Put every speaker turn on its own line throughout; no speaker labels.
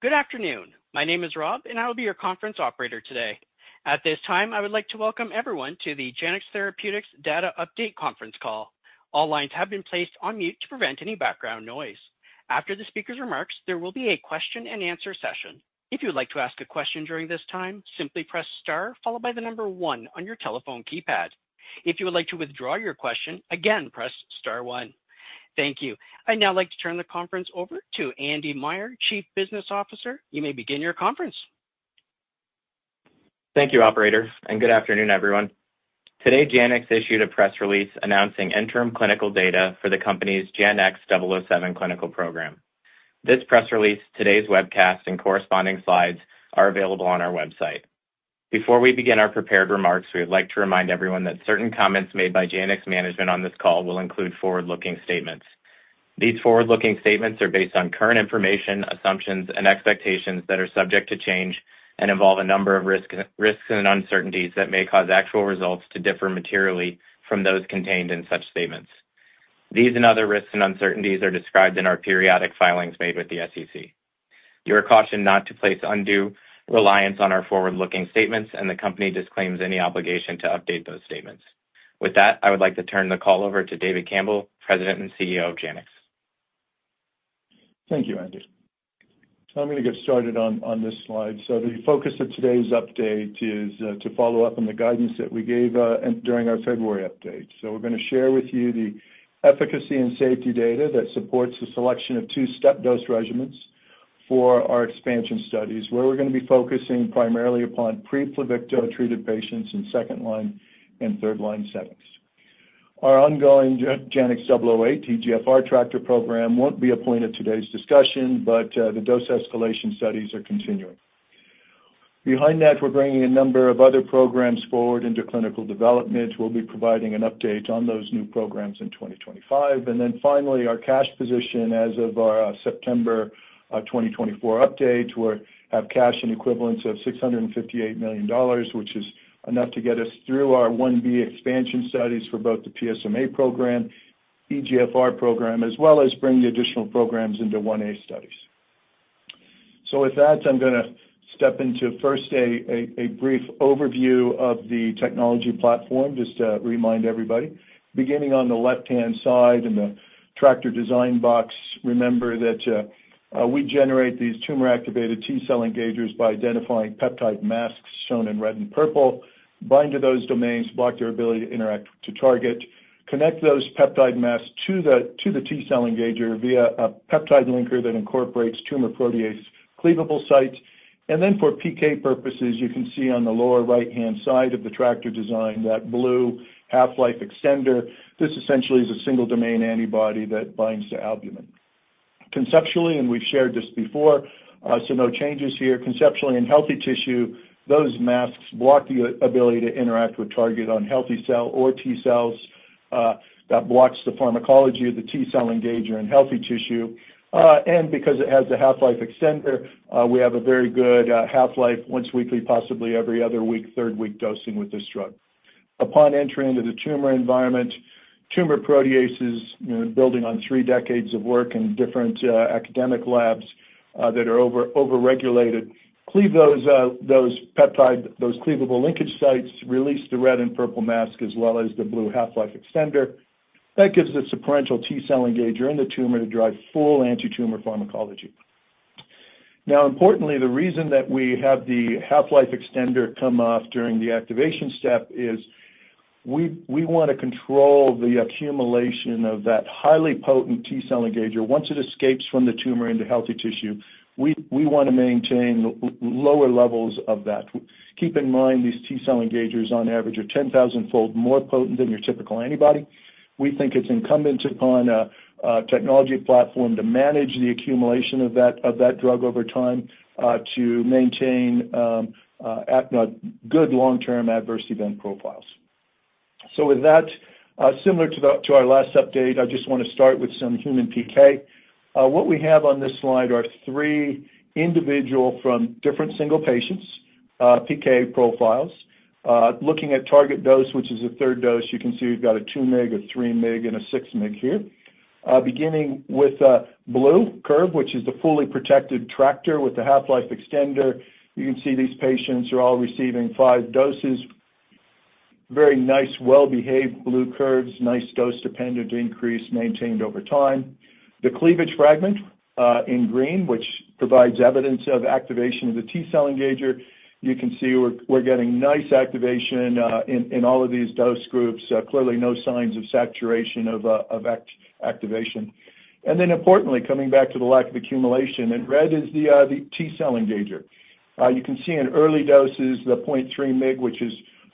Good afternoon. My name is Rob, and I will be your conference operator today. At this time, I would like to welcome everyone to the Janux Therapeutics Data Update conference call. All lines have been placed on mute to prevent any background noise. After the speaker's remarks, there will be a question-and-answer session. If you'd like to ask a question during this time, simply press star followed by the number one on your telephone keypad. If you would like to withdraw your question, again, press star one. Thank you. I'd now like to turn the conference over to Andy Meyer, Chief Business Officer. You may begin your conference.
Thank you, Operator, and good afternoon, everyone. Today, Janux issued a press release announcing interim clinical data for the company's JANX007 clinical program. This press release, today's webcast, and corresponding slides are available on our website. Before we begin our prepared remarks, we would like to remind everyone that certain comments made by Janux management on this call will include forward-looking statements. These forward-looking statements are based on current information, assumptions, and expectations that are subject to change and involve a number of risks and uncertainties that may cause actual results to differ materially from those contained in such statements. These and other risks and uncertainties are described in our periodic filings made with the SEC. You are cautioned not to place undue reliance on our forward-looking statements, and the company disclaims any obligation to update those statements. With that, I would like to turn the call over to David Campbell, President and CEO of Janux.
Thank you, Andy. I'm going to get started on this slide. The focus of today's update is to follow up on the guidance that we gave during our February update. We're going to share with you the efficacy and safety data that supports the selection of two step-dose regimens for our expansion studies, where we're going to be focusing primarily upon pre-Pluvicto treated patients in second-line and third-line settings. Our ongoing JANX008 EGFR TRACTr program won't be a point of today's discussion, but the dose escalation studies are continuing. Behind that, we're bringing a number of other programs forward into clinical development. We'll be providing an update on those new programs in 2025. Finally, our cash position as of our September 2024 update, we have cash and equivalents of $658 million, which is enough to get us through our I-B expansion studies for both the PSMA program, EGFR program, as well as bring the additional programs into I-A studies. With that, I'm going to step into first a brief overview of the technology platform, just to remind everybody. Beginning on the left-hand side in the TRACTr design box, remember that we generate these tumor-activated T-cell engagers by identifying peptide masks shown in red and purple, bind to those domains, block their ability to interact with the target, connect those peptide masks to the T-cell engager via a peptide linker that incorporates tumor protease cleavable sites. For PK purposes, you can see on the lower right-hand side of the TRACTr design that blue half-life extender. This essentially is a single-domain antibody that binds to albumin. Conceptually, and we've shared this before, so no changes here, conceptually in healthy tissue, those masks block the ability to interact with target on healthy cell or T-cells. That blocks the pharmacology of the T-cell engager in healthy tissue. And because it has the half-life extender, we have a very good half-life, once weekly, possibly every other week, 3 mg dosing with this drug. Upon entering into the tumor environment, tumor proteases, building on three decades of work in different academic labs that are overexpressed, cleave those peptide, those cleavable linkage sites, release the red and purple mask as well as the blue half-life extender. That gives us a parental T-cell engager in the tumor to drive full anti-tumor pharmacology. Now, importantly, the reason that we have the half-life extender come off during the activation step is we want to control the accumulation of that highly potent T-cell engager once it escapes from the tumor into healthy tissue. We want to maintain lower levels of that. Keep in mind, these T-cell engagers on average are 10,000-fold more potent than your typical antibody. We think it's incumbent upon a technology platform to manage the accumulation of that drug over time to maintain good long-term adverse event profiles. So with that, similar to our last update, I just want to start with some human PK. What we have on this slide are three individual from different single patients' PK profiles. Looking at target dose, which is a third dose, you can see we've got a 2-mg, a 3-mg, and a 6-mg here. Beginning with a blue curve, which is the fully protected TRACTr with the half-life extender, you can see these patients are all receiving five doses. Very nice, well-behaved blue curves, nice dose-dependent increase maintained over time. The cleavage fragment in green, which provides evidence of activation of the T-cell engager, you can see we're getting nice activation in all of these dose groups. Clearly, no signs of saturation of activation. And then importantly, coming back to the lack of accumulation, in red is the T-cell engager. You can see in early doses, the 0.3-mg,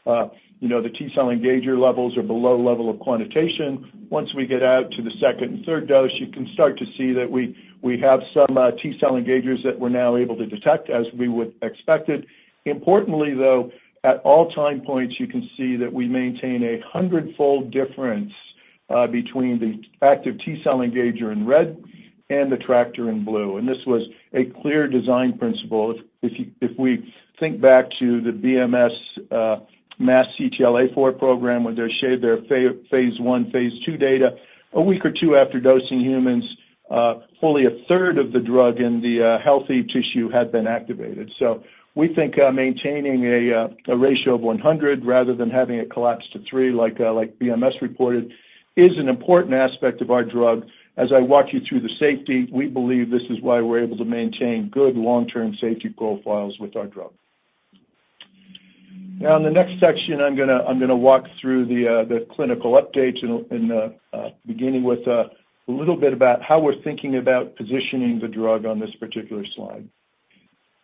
which is the T-cell engager levels are below level of quantitation. Once we get out to the second and third dose, you can start to see that we have some T-cell engagers that we're now able to detect as we would expect. Importantly, though, at all time points, you can see that we maintain a hundred-fold difference between the active T-cell engager in red and the TRACTr in blue. And this was a clear design principle. If we think back to the BMS masked CTLA-4 program, when they shared their phase I, phase II data, a week or two after dosing humans, fully a third of the drug in the healthy tissue had been activated. So we think maintaining a ratio of 100 rather than having it collapse to three, like BMS reported, is an important aspect of our drug. As I walk you through the safety, we believe this is why we're able to maintain good long-term safety profiles with our drug. Now, in the next section, I'm going to walk through the clinical updates and beginning with a little bit about how we're thinking about positioning the drug on this particular slide.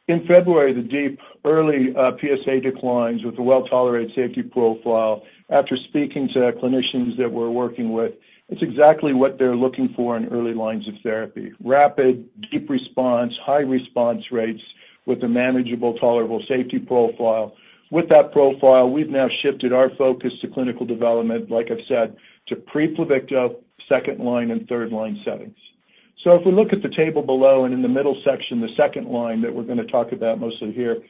In February, the deep early PSA declines with a well-tolerated safety profile. After speaking to clinicians that we're working with, it's exactly what they're looking for in early lines of therapy. Rapid, deep response, high response rates with a manageable, tolerable safety profile. With that profile, we've now shifted our focus to clinical development, like I've said, to pre-Pluvicto second-line and third-line settings. So if we look at the table below and in the middle section, the second line that we're going to talk about mostly here,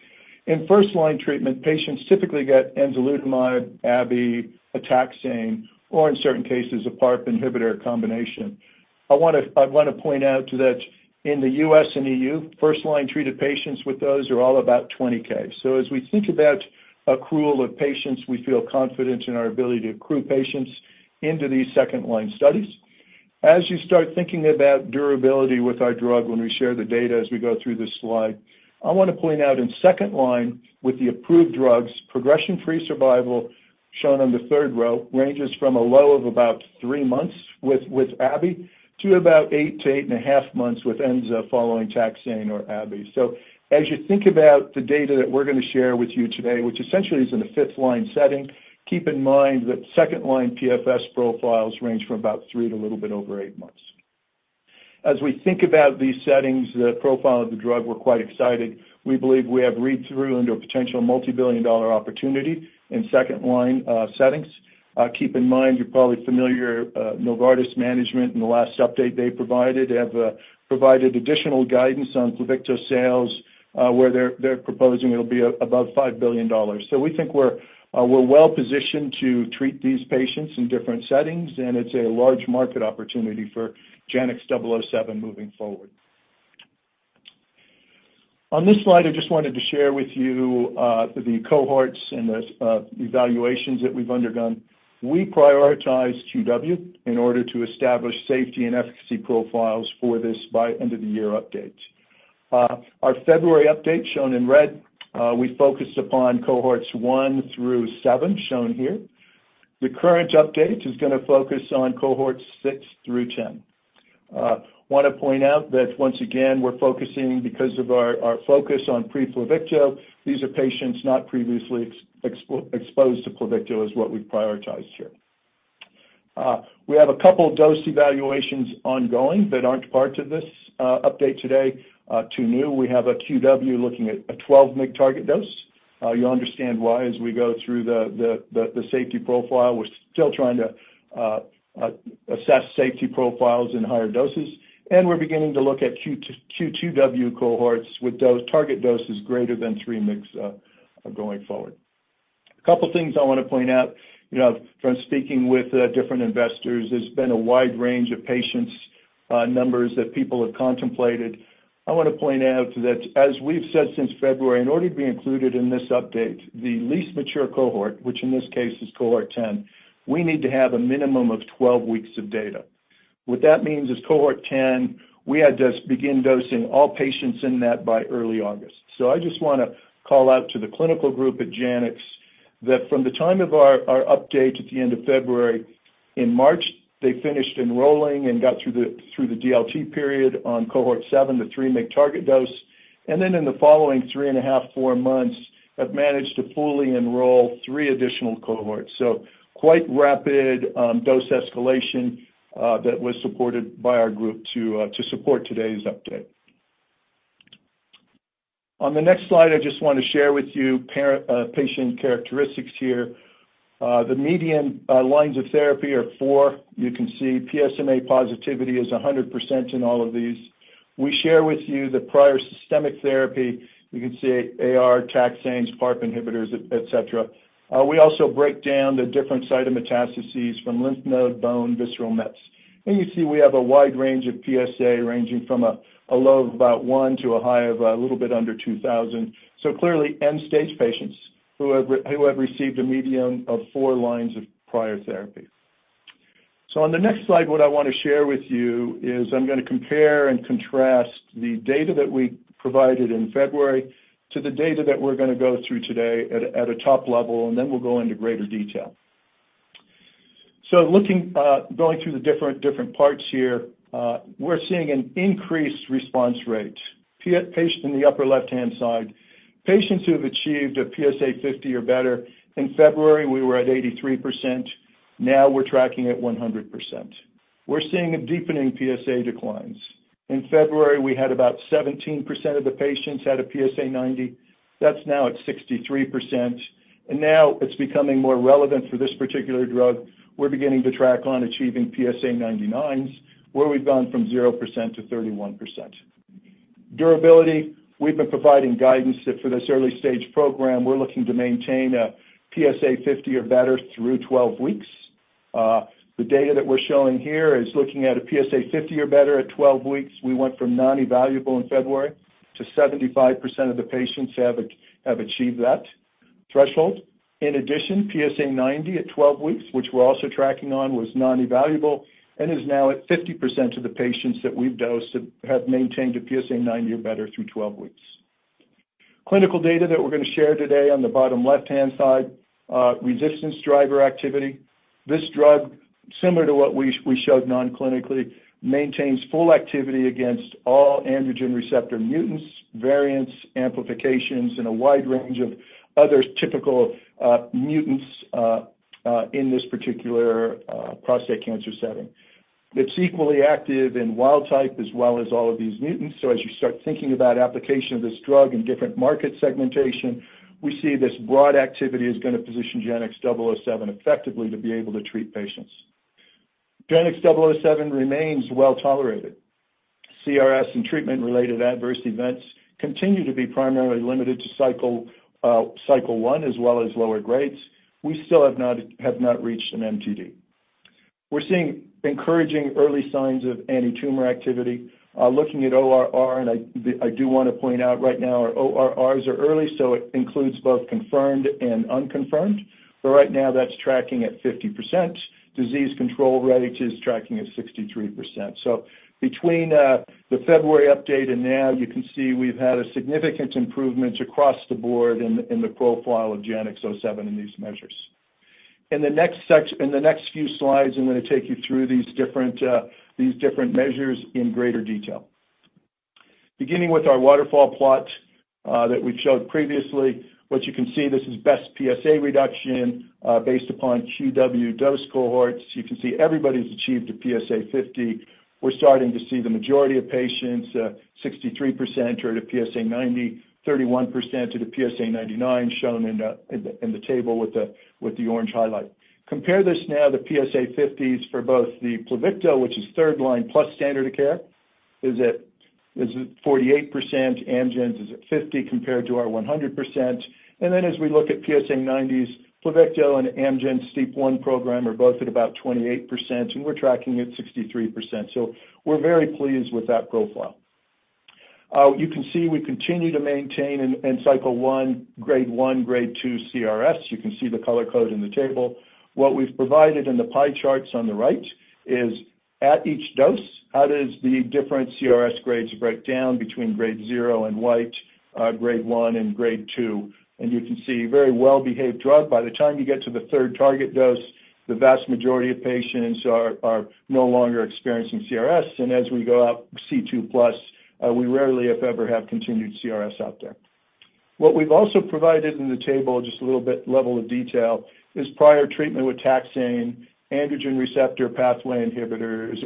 in first-line treatment, patients typically get enzalutamide, Abi, a taxane, or in certain cases, a PARP inhibitor combination. I want to point out that in the U.S. and E.U., first-line treated patients with those are all about 20,000. So as we think about accrual of patients, we feel confident in our ability to accrue patients into these second-line studies. As you start thinking about durability with our drug, when we share the data as we go through this slide, I want to point out in second line, with the approved drugs, progression-free survival shown on the third row ranges from a low of about three months with Abi to about eight to eight and a half months with Enza following taxane or Abi. So as you think about the data that we're going to share with you today, which essentially is in the fifth-line setting, keep in mind that second-line PFS profiles range from about three to a little bit over eight months. As we think about these settings, the profile of the drug, we're quite excited. We believe we have read-through into a potential multi-billion-dollar opportunity in second-line settings. Keep in mind, you're probably familiar, Novartis management, in the last update they provided, have provided additional guidance on Pluvicto sales, where they're proposing it'll be above $5 billion. So we think we're well-positioned to treat these patients in different settings, and it's a large market opportunity for JANX007 moving forward. On this slide, I just wanted to share with you the cohorts and the evaluations that we've undergone. We prioritize QW in order to establish safety and efficacy profiles for this by end-of-the-year update. Our February update shown in red, we focused upon cohorts one through seven shown here. The current update is going to focus on cohorts six through 10. I want to point out that once again, we're focusing because of our focus on pre-Pluvicto. These are patients not previously exposed to Pluvicto, is what we've prioritized here. We have a couple of dose evaluations ongoing that aren't part of this update today. Two new, we have a QW looking at a 12-mg target dose. You'll understand why as we go through the safety profile. We're still trying to assess safety profiles in higher doses, and we're beginning to look at Q2W cohorts with target doses greater than three mg going forward. A couple of things I want to point out. From speaking with different investors, there's been a wide range of patient numbers that people have contemplated. I want to point out that as we've said since February, in order to be included in this update, the least mature cohort, which in this case is cohort 10, we need to have a minimum of 12 weeks of data. What that means is cohort 10, we had to begin dosing all patients in that by early August, so I just want to call out to the clinical group at Janux that from the time of our update at the end of February, in March, they finished enrolling and got through the DLT period on cohort seven, the 3-mg target dose, and then in the following three and a half, four months, have managed to fully enroll three additional cohorts, so quite rapid dose escalation that was supported by our group to support today's update. On the next slide, I just want to share with you patient characteristics here. The median lines of therapy are four. You can see PSMA positivity is 100% in all of these. We share with you the prior systemic therapy. You can see AR, taxane, PARP inhibitors, etc. We also break down the different sites of metastases from lymph node, bone, visceral mets. And you see we have a wide range of PSA ranging from a low of about one to a high of a little bit under 2,000. So clearly, end-stage patients who have received a median of four lines of prior therapy. So on the next slide, what I want to share with you is I'm going to compare and contrast the data that we provided in February to the data that we're going to go through today at a top level, and then we'll go into greater detail. So going through the different parts here, we're seeing an increased response rate. Patients in the upper left-hand side, patients who have achieved a PSA50 or better. In February, we were at 83%. Now we're tracking at 100%. We're seeing a deepening PSA declines. In February, we had about 17% of the patients had a PSA90. That's now at 63%. And now it's becoming more relevant for this particular drug. We're beginning to track on achieving PSA99s, where we've gone from 0% to 31%. Durability, we've been providing guidance for this early-stage program. We're looking to maintain a PSA50 or better through 12 weeks. The data that we're showing here is looking at a PSA50 or better at 12 weeks. We went from non-evaluable in February to 75% of the patients have achieved that threshold. In addition, PSA90 at 12 weeks, which we're also tracking on, was non-evaluable and is now at 50% of the patients that we've dosed have maintained a PSA90 or better through 12 weeks. Clinical data that we're going to share today on the bottom left-hand side, resistance driver activity. This drug, similar to what we showed non-clinically, maintains full activity against all androgen receptor mutants, variants, amplifications, and a wide range of other typical mutants in this particular prostate cancer setting. It's equally active in wild type as well as all of these mutants. So as you start thinking about application of this drug in different market segmentation, we see this broad activity is going to position JANX007 effectively to be able to treat patients. JANX007 remains well-tolerated. CRS and treatment-related adverse events continue to be primarily limited to cycle one as well as lower grades. We still have not reached an MTD. We're seeing encouraging early signs of anti-tumor activity. Looking at ORR, and I do want to point out right now, our ORRs are early, so it includes both confirmed and unconfirmed. But right now, that's tracking at 50%. Disease control rate is tracking at 63%. So between the February update and now, you can see we've had a significant improvement across the board in the profile of JANX007 in these measures. In the next few slides, I'm going to take you through these different measures in greater detail. Beginning with our waterfall plot that we've showed previously, what you can see, this is best PSA reduction based upon QW dose cohorts. You can see everybody's achieved a PSA50. We're starting to see the majority of patients, 63%, are at a PSA90, 31% are at a PSA99, shown in the table with the orange highlight. Compare this now to PSA50s for both the Pluvicto, which is third-line plus standard of care, is at 48%. Amgen's is at 50 compared to our 100%. And then as we look at PSA90s, Pluvicto and Amgen's STEAP1 program are both at about 28%, and we're tracking at 63%. So we're very pleased with that profile. You can see we continue to maintain in cycle one, grade one, grade two CRS. You can see the color code in the table. What we've provided in the pie charts on the right is at each dose, how does the different CRS grades break down between grade zero and one, grade one and grade two. And you can see very well-behaved drug. By the time you get to the third target dose, the vast majority of patients are no longer experiencing CRS. And as we go up C2 plus, we rarely, if ever, have continued CRS out there. What we've also provided in the table, just a little bit level of detail, is prior treatment with taxane, androgen receptor pathway inhibitors,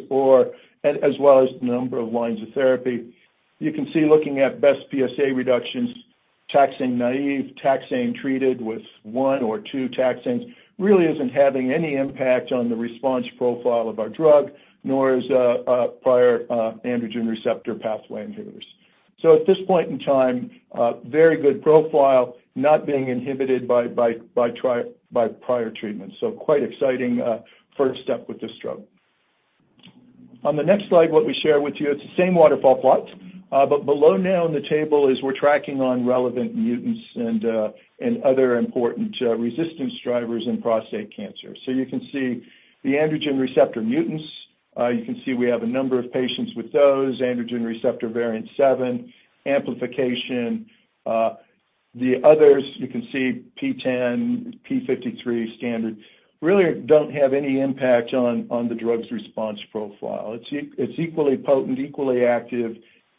as well as the number of lines of therapy. You can see looking at best PSA reductions, taxane naive, taxane treated with one or two taxane really isn't having any impact on the response profile of our drug, nor is prior androgen receptor pathway inhibitors. So at this point in time, very good profile, not being inhibited by prior treatment. So quite exciting first step with this drug. On the next slide, what we share with you, it's the same waterfall plot. But below now in the table is we're tracking on relevant mutants and other important resistance drivers in prostate cancer. So you can see the androgen receptor mutants. You can see we have a number of patients with those, androgen receptor variant seven, amplification. The others, you can see PTEN, TP53, standard really don't have any impact on the drug's response profile. It's equally potent, equally active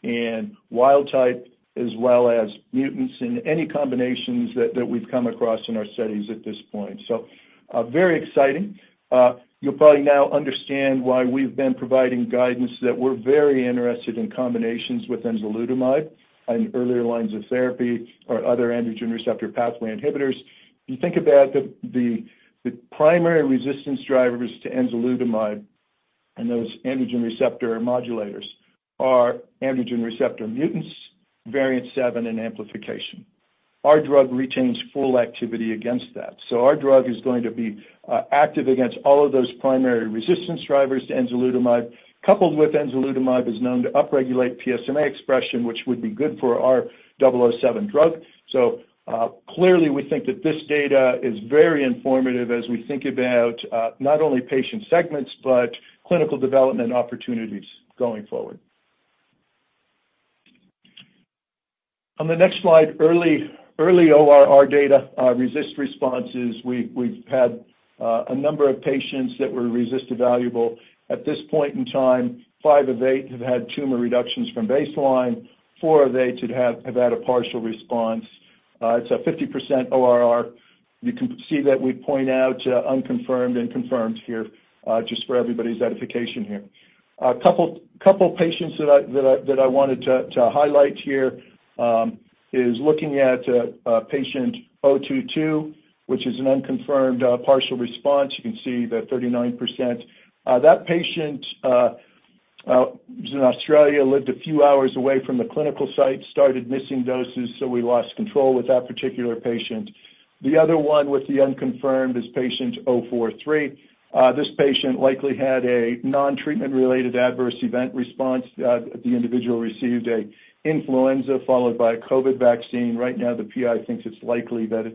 in wild type, as well as mutants and any combinations that we've come across in our studies at this point. So very exciting. You'll probably now understand why we've been providing guidance that we're very interested in combinations with enzalutamide and earlier lines of therapy or other androgen receptor pathway inhibitors. You think about the primary resistance drivers to enzalutamide and those androgen receptor modulators are androgen receptor mutants, variant seven, and amplification. Our drug retains full activity against that. So our drug is going to be active against all of those primary resistance drivers to enzalutamide. Coupled with enzalutamide, it is known to upregulate PSMA expression, which would be good for our 007 drug. So clearly, we think that this data is very informative as we think about not only patient segments, but clinical development opportunities going forward. On the next slide, early ORR data, RECIST responses. We've had a number of patients that were RECIST evaluable. At this point in time, five of eight have had tumor reductions from baseline. Four of eight have had a partial response. It's a 50% ORR. You can see that we point out unconfirmed and confirmed here just for everybody's edification here. A couple of patients that I wanted to highlight here is looking at patient O22, which is an unconfirmed partial response. You can see that 39%. That patient is in Australia, lived a few hours away from the clinical site, started missing doses, so we lost control with that particular patient. The other one with the unconfirmed is patient O43. This patient likely had a non-treatment-related adverse event response. The individual received an influenza followed by a COVID vaccine. Right now, the PI thinks it's likely that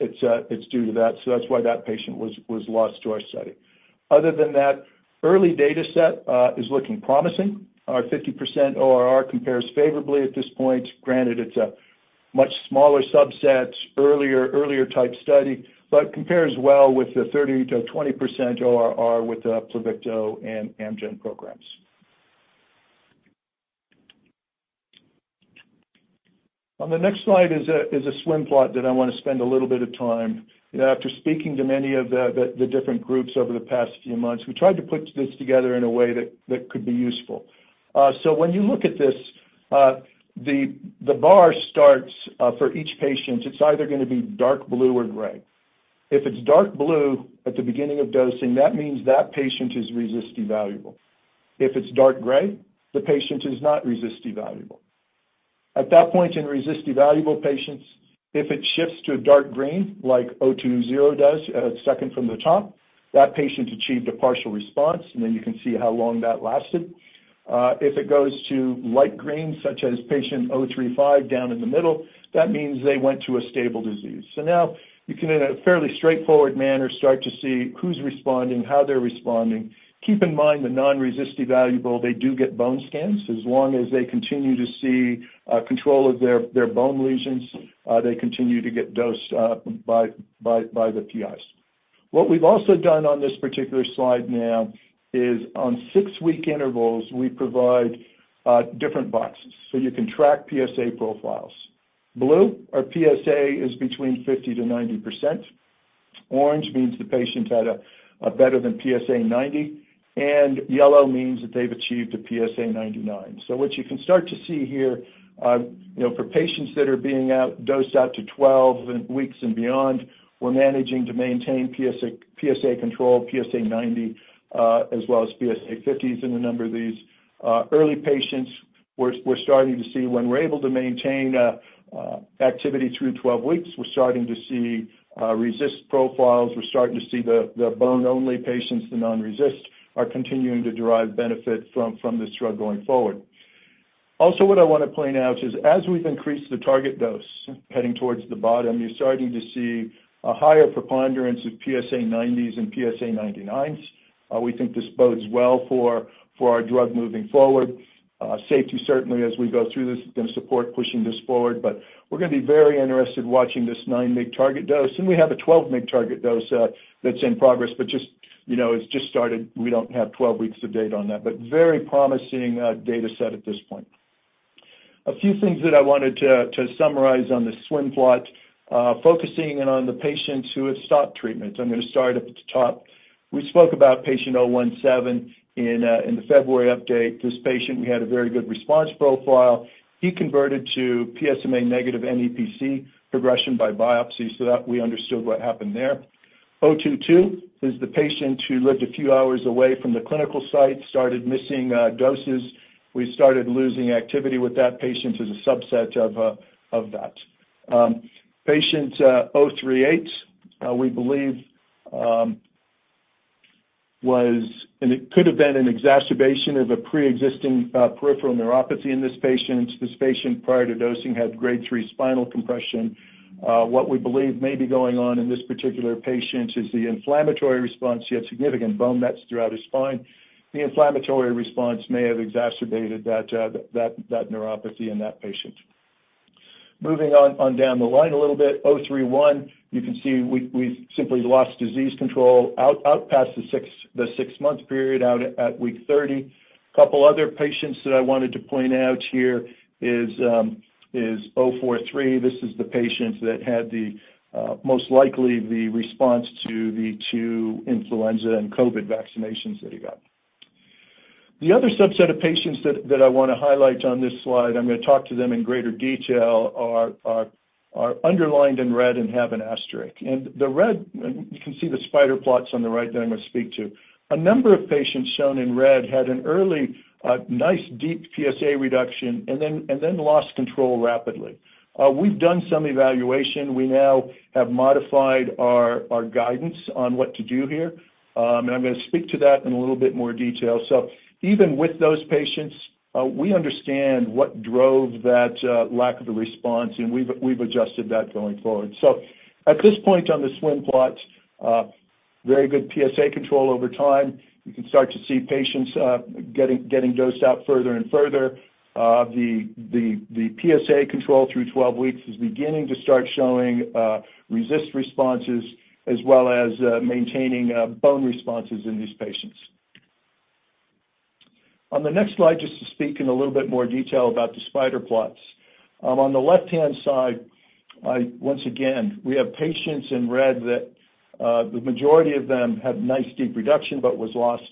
it's due to that. So that's why that patient was lost to our study. Other than that, early data set is looking promising. Our 50% ORR compares favorably at this point. Granted, it's a much smaller subset, earlier type study, but compares well with the 30%-20% ORR with the Pluvicto and Amgen programs. On the next slide is a swim plot that I want to spend a little bit of time. After speaking to many of the different groups over the past few months, we tried to put this together in a way that could be useful. So when you look at this, the bar starts for each patient. It's either going to be dark blue or gray. If it's dark blue at the beginning of dosing, that means that patient is RECIST evaluable. If it's dark gray, the patient is not RECIST evaluable. At that point in RECIST evaluable patients, if it shifts to a dark green, like O20 does, second from the top, that patient achieved a partial response. And then you can see how long that lasted. If it goes to light green, such as patient O35 down in the middle, that means they went to a stable disease. So now you can, in a fairly straightforward manner, start to see who's responding, how they're responding. Keep in mind the non-RECIST evaluable, they do get bone scans. As long as they continue to see control of their bone lesions, they continue to get dosed by the PIs. What we've also done on this particular slide now is on 6 mg intervals, we provide different boxes. So you can track PSA profiles. Blue, or PSA is between 50%-90%. Orange means the patient had a better than PSA90. And yellow means that they've achieved a PSA99. So what you can start to see here, for patients that are being dosed out to 12 weeks and beyond, we're managing to maintain PSA control, PSA90, as well as PSA50s in a number of these early patients. We're starting to see when we're able to maintain activity through 12 weeks, we're starting to see RECIST profiles. We're starting to see the bone-only patients, the non-RECIST, are continuing to derive benefit from this drug going forward. Also, what I want to point out is, as we've increased the target dose heading towards the bottom, you're starting to see a higher preponderance of PSA90s and PSA99s. We think this bodes well for our drug moving forward. Safety, certainly, as we go through this, is going to support pushing this forward. But we're going to be very interested watching this 9 mg target dose. And we have a 12 mg target dose that's in progress, but it's just started. We don't have 12 weeks of data on that, but very promising data set at this point. A few things that I wanted to summarize on the swim plot, focusing in on the patients who have stopped treatment. I'm going to start at the top. We spoke about patient O17 in the February update. This patient, we had a very good response profile. He converted to PSMA negative NEPC progression by biopsy, so that we understood what happened there. O22 is the patient who lived a few hours away from the clinical site, started missing doses. We started losing activity with that patient as a subset of that. Patient O38, we believe, could have been an exacerbation of a pre-existing peripheral neuropathy in this patient. This patient, prior to dosing, had grade three spinal compression. What we believe may be going on in this particular patient is the inflammatory response. He had significant bone mets throughout his spine. The inflammatory response may have exacerbated that neuropathy in that patient. Moving on down the line a little bit, O31, you can see we've simply lost disease control out past the six-month period out at week 30. A couple of other patients that I wanted to point out here is O43. This is the patient that had most likely the response to the two influenza and COVID vaccinations that he got. The other subset of patients that I want to highlight on this slide, I'm going to talk to them in greater detail, are underlined in red and have an asterisk. And the red, you can see the spider plots on the right that I'm going to speak to. A number of patients shown in red had an early, nice, deep PSA reduction and then lost control rapidly. We've done some evaluation. We now have modified our guidance on what to do here. And I'm going to speak to that in a little bit more detail. So even with those patients, we understand what drove that lack of a response, and we've adjusted that going forward. So at this point on the swim plot, very good PSA control over time. You can start to see patients getting dosed out further and further. The PSA control through 12 weeks is beginning to start showing RECIST responses as well as maintaining bone responses in these patients. On the next slide, just to speak in a little bit more detail about the spider plots. On the left-hand side, once again, we have patients in red that the majority of them had nice, deep reduction, but was lost.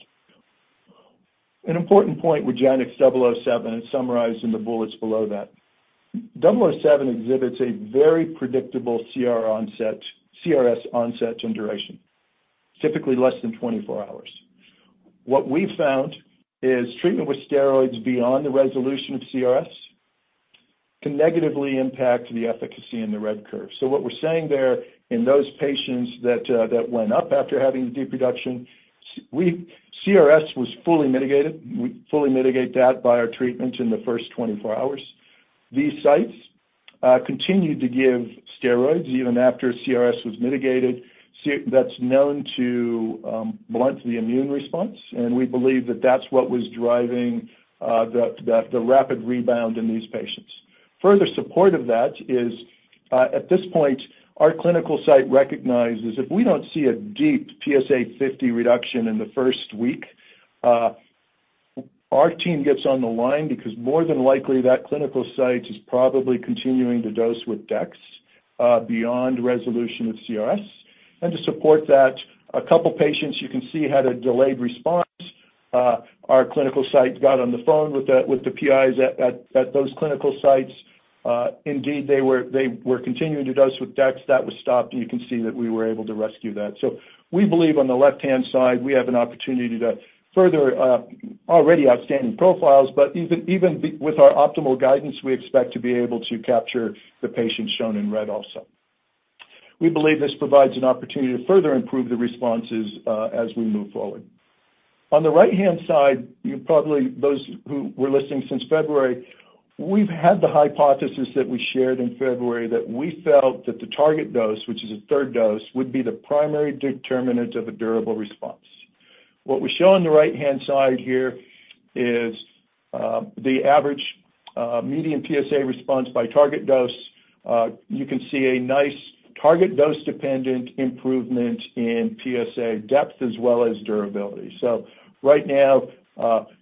An important point with JANX007, it's summarized in the bullets below that. 007 exhibits a very predictable CRS onset and duration, typically less than 24 hours. What we've found is treatment with steroids beyond the resolution of CRS can negatively impact the efficacy in the red curve. So what we're saying there in those patients that went up after having the deep reduction, CRS was fully mitigated. We fully mitigate that by our treatment in the first 24 hours. These sites continued to give steroids even after CRS was mitigated. That's known to blunt the immune response. And we believe that that's what was driving the rapid rebound in these patients. Further support of that is, at this point, our clinical site recognizes if we don't see a deep PSA50 reduction in the first week, our team gets on the line because more than likely that clinical site is probably continuing to dose with dex beyond resolution of CRS. And to support that, a couple of patients you can see had a delayed response. Our clinical site got on the phone with the PIs at those clinical sites. Indeed, they were continuing to dose with dex. That was stopped. And you can see that we were able to rescue that. So we believe on the left-hand side, we have an opportunity to further already outstanding profiles. But even with our optimal guidance, we expect to be able to capture the patients shown in red also. We believe this provides an opportunity to further improve the responses as we move forward. On the right-hand side, you probably, those who were listening since February, we've had the hypothesis that we shared in February that we felt that the target dose, which is a third dose, would be the primary determinant of a durable response. What we show on the right-hand side here is the average median PSA response by target dose. You can see a nice target dose-dependent improvement in PSA depth as well as durability. So, right now,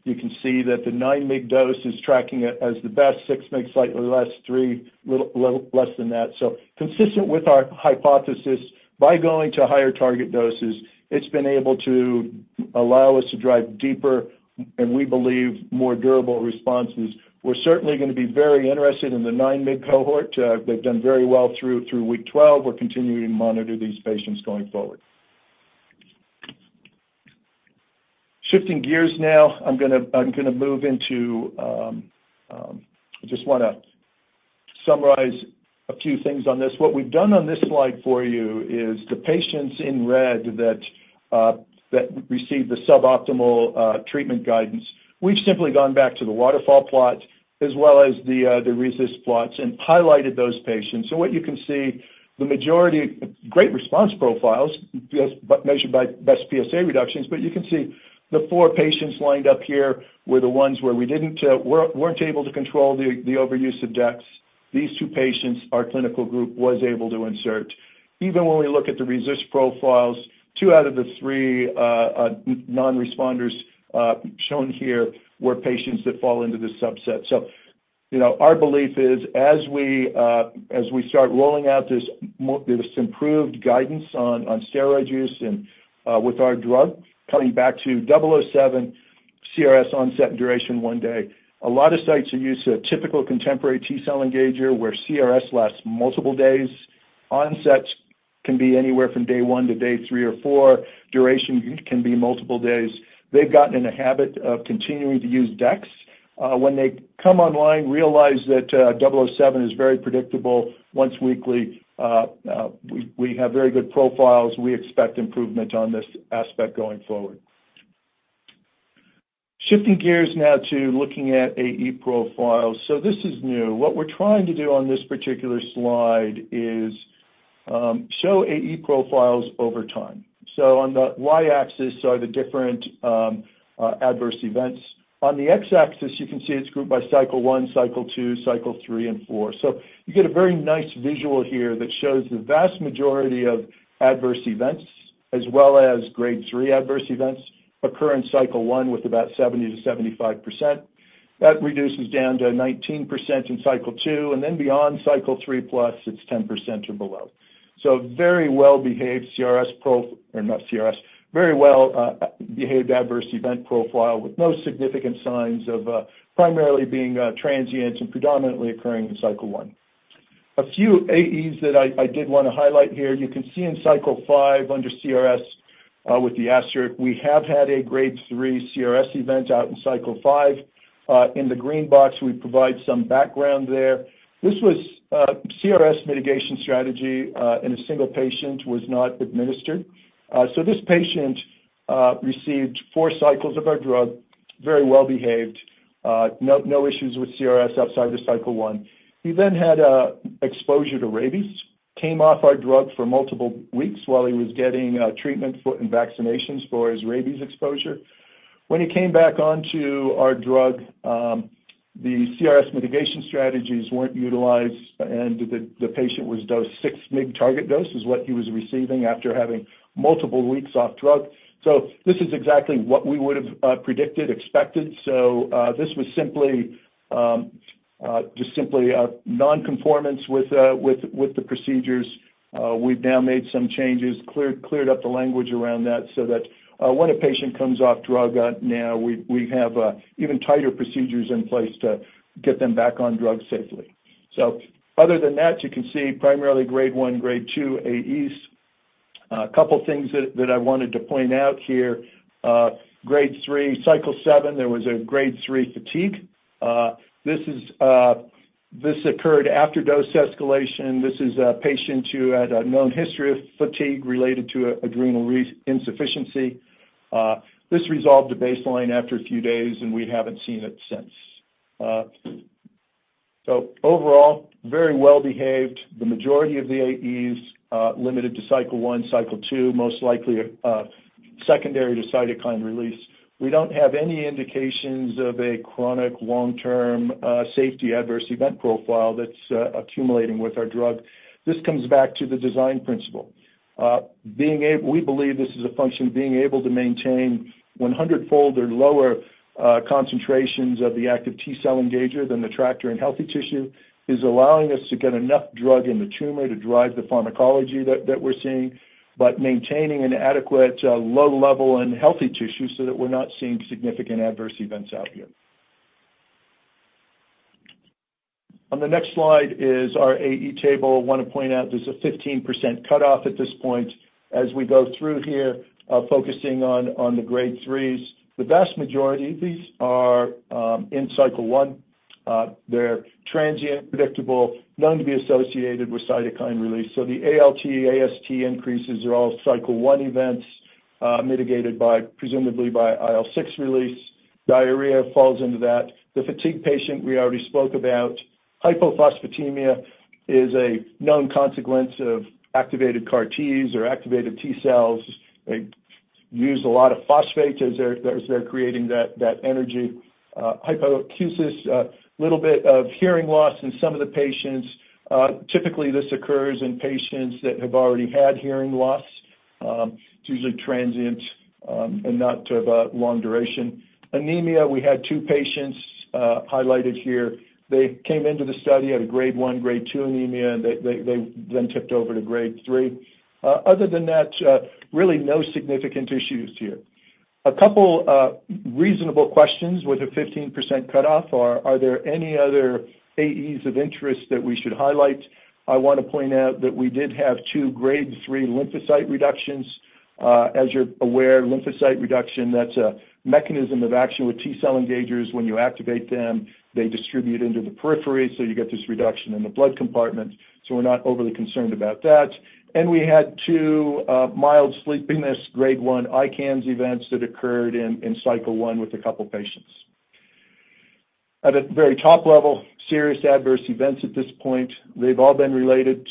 you can see that the 9 mg dose is tracking as the best, 6 mg slightly less, three less than that. So consistent with our hypothesis, by going to higher target doses, it's been able to allow us to drive deeper, and we believe, more durable responses. We're certainly going to be very interested in the 9 mg cohort. They've done very well through week 12. We're continuing to monitor these patients going forward. Shifting gears now, I'm going to move into. I just want to summarize a few things on this. What we've done on this slide for you is the patients in red that received the suboptimal treatment guidance. We've simply gone back to the waterfall plot as well as the RECIST plots and highlighted those patients. And what you can see, the majority great response profiles measured by best PSA reductions. But you can see the four patients lined up here were the ones where we weren't able to control the overuse of dex. These two patients, our clinical group was able to insert. Even when we look at the RECIST profiles, two out of the three non-responders shown here were patients that fall into this subset. So our belief is, as we start rolling out this improved guidance on steroid use and with our drug coming back to 007, CRS onset and duration one day, a lot of sites are used to a typical contemporary T-cell engager where CRS lasts multiple days. Onset can be anywhere from day one to day three or four. Duration can be multiple days. They've gotten in a habit of continuing to use dex. When they come online, realize that 007 is very predictable once weekly. We have very good profiles. We expect improvement on this aspect going forward. Shifting gears now to looking at AE profiles. So this is new. What we're trying to do on this particular slide is show AE profiles over time. So on the Y-axis are the different adverse events. On the X-axis, you can see it's grouped by cycle one, cycle two, cycle three, and four. So you get a very nice visual here that shows the vast majority of adverse events as well as grade three adverse events occur in cycle one with about 70%-75%. That reduces down to 19% in cycle two. And then beyond cycle three plus, it's 10% or below. So very well-behaved CRS or not CRS, very well-behaved adverse event profile with no significant signs of primarily being transient and predominantly occurring in cycle one. A few AEs that I did want to highlight here. You can see in cycle five under CRS with the asterisk. We have had a grade three CRS event out in cycle five. In the green box, we provide some background there. This was CRS mitigation strategy in a single patient was not administered, so this patient received four cycles of our drug, very well-behaved, no issues with CRS outside of cycle one. He then had exposure to rabies, came off our drug for multiple weeks while he was getting treatment and vaccinations for his rabies exposure. When he came back onto our drug, the CRS mitigation strategies weren't utilized, and the patient was dosed 6 mg target dose is what he was receiving after having multiple weeks off drug, so this is exactly what we would have predicted, expected, so this was simply just non-conformance with the procedures. We've now made some changes, cleared up the language around that so that when a patient comes off drug, now we have even tighter procedures in place to get them back on drug safely. So other than that, you can see primarily grade one, grade two AEs. A couple of things that I wanted to point out here. Grade three, cycle seven, there was a grade three fatigue. This occurred after dose escalation. This is a patient who had a known history of fatigue related to adrenal insufficiency. This resolved to baseline after a few days, and we haven't seen it since. So overall, very well-behaved. The majority of the AEs limited to cycle one, cycle two, most likely secondary to cytokine release. We don't have any indications of a chronic long-term safety adverse event profile that's accumulating with our drug. This comes back to the design principle. We believe this is a function of being able to maintain 100-fold or lower concentrations of the active T-cell engager than the TRACTr and healthy tissue is allowing us to get enough drug in the tumor to drive the pharmacology that we're seeing, but maintaining an adequate low level in healthy tissue so that we're not seeing significant adverse events out here. On the next slide is our AE table. I want to point out there's a 15% cutoff at this point as we go through here, focusing on the grade threes. The vast majority of these are in cycle one. They're transient, predictable, known to be associated with cytokine release. So the ALT, AST increases are all cycle one events mitigated presumably by IL-6 release. Diarrhea falls into that. The fatigue patient we already spoke about. Hypophosphatemia is a known consequence of activated CAR-Ts or activated T-cells. They use a lot of phosphate as they're creating that energy. Hypoacusis, a little bit of hearing loss in some of the patients. Typically, this occurs in patients that have already had hearing loss. It's usually transient and not of a long duration. Anemia, we had two patients highlighted here. They came into the study, had a grade one, grade two anemia, and they then tipped over to grade three. Other than that, really no significant issues here. A couple of reasonable questions with a 15% cutoff are, are there any other AEs of interest that we should highlight? I want to point out that we did have two grade three lymphocyte reductions. As you're aware, lymphocyte reduction, that's a mechanism of action with T-cell engagers. When you activate them, they distribute into the periphery, so you get this reduction in the blood compartment. So we're not overly concerned about that. And we had two mild sleepiness grade one ICANS events that occurred in cycle one with a couple of patients. At a very top level, serious adverse events at this point. They've all been related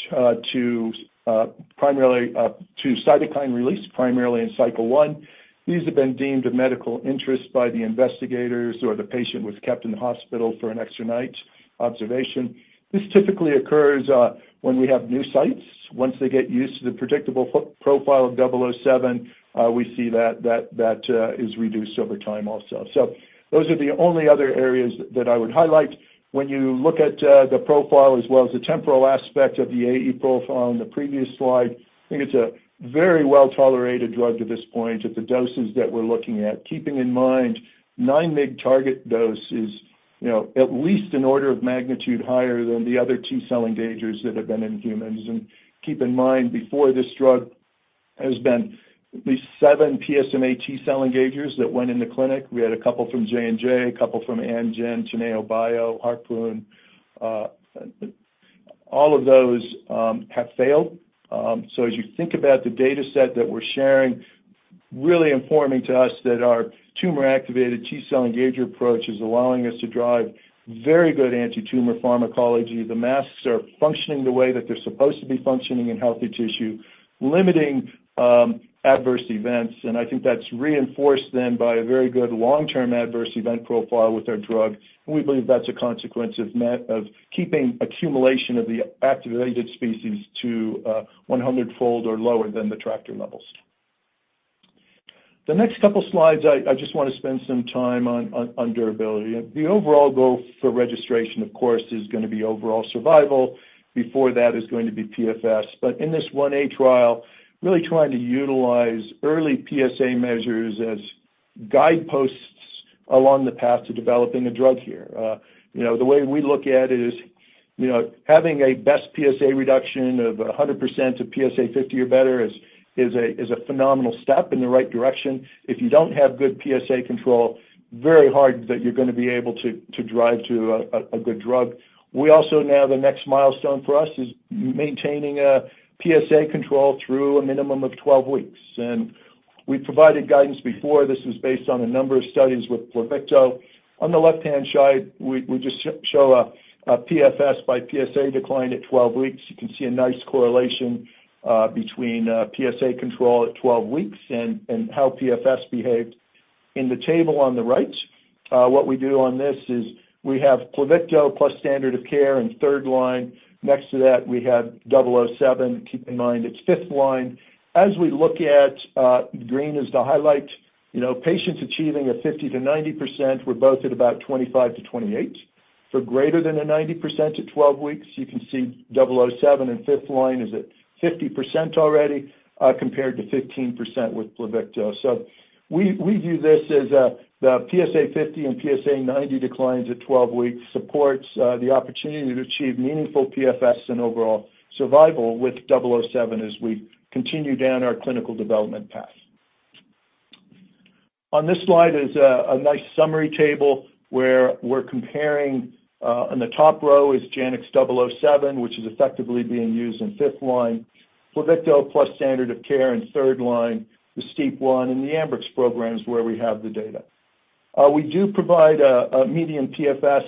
primarily to cytokine release primarily in cycle one. These have been deemed of medical interest by the investigators or the patient was kept in the hospital for an extra night observation. This typically occurs when we have new sites. Once they get used to the predictable profile of 007, we see that is reduced over time also. So those are the only other areas that I would highlight. When you look at the profile as well as the temporal aspect of the AE profile on the previous slide, I think it's a very well-tolerated drug to this point at the doses that we're looking at. Keeping in mind 9 mg target dose is at least an order of magnitude higher than the other T-cell engagers that have been in humans. And keep in mind, before this drug, there's been at least seven PSMA T-cell engagers that went in the clinic. We had a couple from J&J, a couple from Amgen, TeneoBio, Harpoon. All of those have failed. So as you think about the dataset that we're sharing, really informing to us that our tumor-activated T-cell engager approach is allowing us to drive very good anti-tumor pharmacology. The masks are functioning the way that they're supposed to be functioning in healthy tissue, limiting adverse events. And I think that's reinforced then by a very good long-term adverse event profile with our drug. And we believe that's a consequence of keeping accumulation of the activated species to 100-fold or lower than the TRACTr levels. The next couple of slides, I just want to spend some time on durability. The overall goal for registration, of course, is going to be overall survival. Before that is going to be PFS. But in this I-A trial, really trying to utilize early PSA measures as guideposts along the path to developing a drug here. The way we look at it is having a best PSA reduction of 100% to PSA50 or better is a phenomenal step in the right direction. If you don't have good PSA control, it's very hard that you're going to be able to drive to a good drug. We also, now, the next milestone for us is maintaining PSA control through a minimum of 12 weeks, and we provided guidance before. This was based on a number of studies with Pluvicto. On the left-hand side, we just show a PFS by PSA decline at 12 weeks. You can see a nice correlation between PSA control at 12 weeks and how PFS behaved. In the table on the right, what we do on this is we have Pluvicto plus standard of care in third line. Next to that, we have 007. Keep in mind it's fifth line. As we look at, green is the highlight, patients achieving a 50%-90%. We're both at about 25%-28%. For greater than a 90% at 12 weeks, you can see 007 in fifth line is at 50% already compared to 15% with Pluvicto. So we view this as the PSA50 and PSA90 declines at 12 weeks supports the opportunity to achieve meaningful PFS and overall survival with 007 as we continue down our clinical development path. On this slide is a nice summary table where we're comparing. On the top row is JANX007, which is effectively being used in fifth line. Pluvicto plus standard of care in third line, the STEAP1, and the Ambrx programs where we have the data. We do provide a median PFS.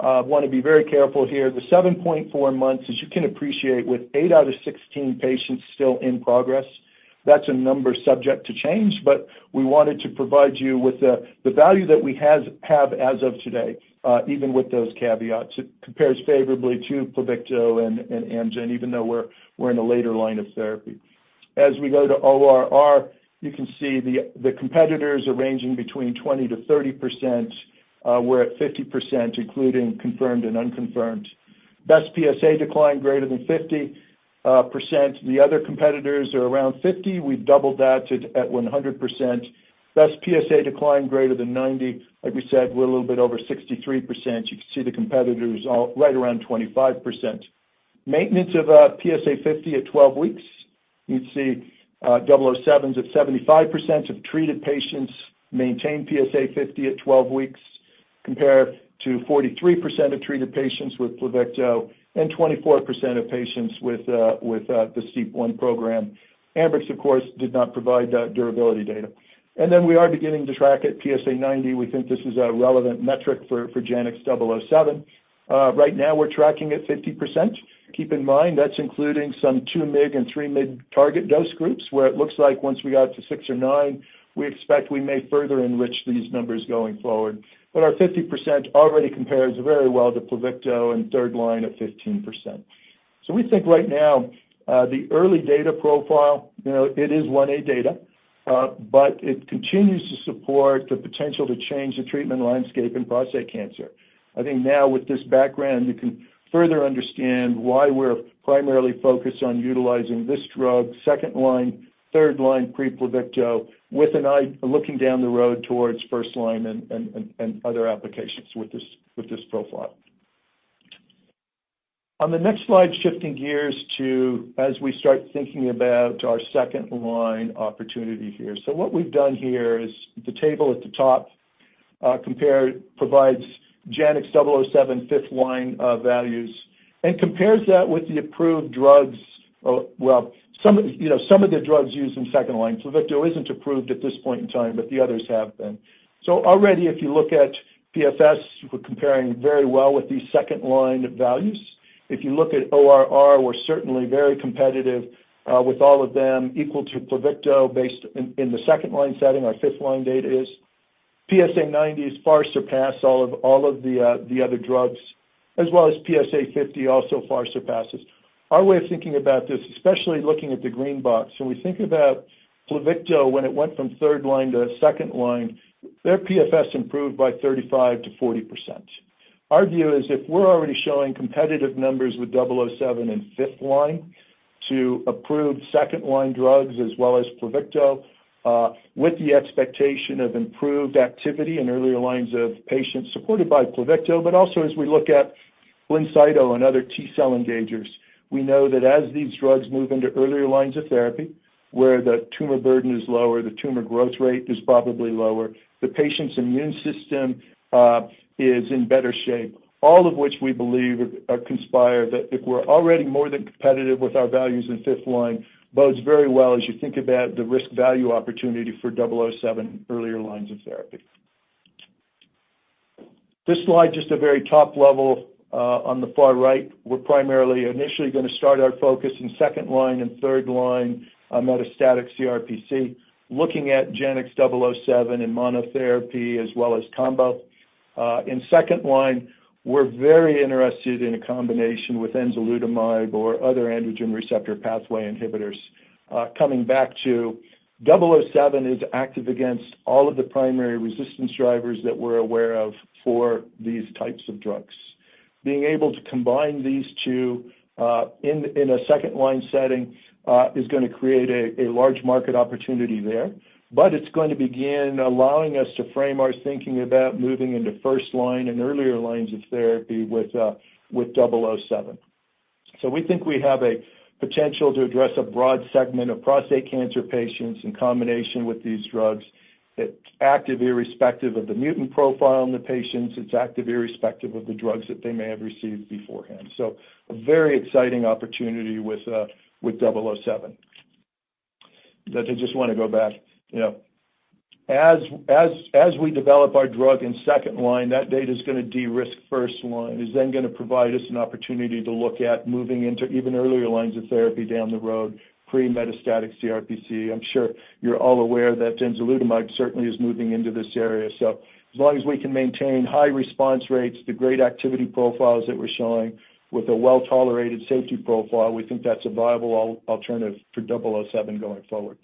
I want to be very careful here. The 7.4 months, as you can appreciate, with eight out of 16 patients still in progress. That's a number subject to change, but we wanted to provide you with the value that we have as of today, even with those caveats. It compares favorably to Pluvicto and Amgen, even though we're in a later line of therapy. As we go to ORR, you can see the competitors are ranging between 20%-30%. We're at 50%, including confirmed and unconfirmed. Best PSA decline greater than 50%. The other competitors are around 50%. We've doubled that at 100%. Best PSA decline greater than 90%. Like we said, we're a little bit over 63%. You can see the competitors are right around 25%. Maintenance of PSA50 at 12 weeks. You can see 007s at 75% of treated patients maintain PSA50 at 12 weeks, compared to 43% of treated patients with Pluvicto and 24% of patients with the STEAP1 program. Ambrx, of course, did not provide durability data, and then we are beginning to track at PSA90. We think this is a relevant metric for JANX007. Right now, we're tracking at 50%. Keep in mind, that's including some 2 mg and 3 mg target dose groups where it looks like once we got to six or nine, we expect we may further enrich these numbers going forward. But our 50% already compares very well to Pluvicto and third line at 15%. So we think right now, the early data profile, it is I-A data, but it continues to support the potential to change the treatment landscape in prostate cancer. I think now with this background, you can further understand why we're primarily focused on utilizing this drug, second line, third line, pre-Pluvicto, with looking down the road towards first line and other applications with this profile. On the next slide, shifting gears to as we start thinking about our second line opportunity here. So what we've done here is the table at the top provides JANX007, fifth line values, and compares that with the approved drugs. Well, some of the drugs used in second line, Pluvicto isn't approved at this point in time, but the others have been. Already, if you look at PFS, we're comparing very well with these second line values. If you look at ORR, we're certainly very competitive with all of them, equal to Pluvicto based in the second line setting. Our fifth line data is PSA90s far surpass all of the other drugs, as well as PSA50 also far surpasses. Our way of thinking about this, especially looking at the green box, when we think about Pluvicto when it went from third line to second line, their PFS improved by 35%-40%. Our view is if we're already showing competitive numbers with 007 in fifth line to approved second line drugs as well as Pluvicto, with the expectation of improved activity in earlier lines of patients supported by Pluvicto, but also as we look at Blincyto and other T-cell engagers, we know that as these drugs move into earlier lines of therapy where the tumor burden is lower, the tumor growth rate is probably lower, the patient's immune system is in better shape, all of which we believe conspire that if we're already more than competitive with our values in fifth line, bodes very well as you think about the risk-value opportunity for 007 earlier lines of therapy. This slide, just a very top level on the far right, we're primarily initially going to start our focus in second line and third line metastatic CRPC, looking at JANX007 and monotherapy as well as combo. In second line, we're very interested in a combination with enzalutamide or other androgen receptor pathway inhibitors. Coming back to 007 is active against all of the primary resistance drivers that we're aware of for these types of drugs. Being able to combine these two in a second line setting is going to create a large market opportunity there, but it's going to begin allowing us to frame our thinking about moving into first line and earlier lines of therapy with 007. So we think we have a potential to address a broad segment of prostate cancer patients in combination with these drugs that's active irrespective of the mutant profile in the patients. It's active irrespective of the drugs that they may have received beforehand. So a very exciting opportunity with 007. I just want to go back. As we develop our drug in second line, that data is going to de-risk first line. It's then going to provide us an opportunity to look at moving into even earlier lines of therapy down the road, pre-metastatic CRPC. I'm sure you're all aware that enzalutamide certainly is moving into this area. So as long as we can maintain high response rates, the great activity profiles that we're showing with a well-tolerated safety profile, we think that's a viable alternative for 007 going forward.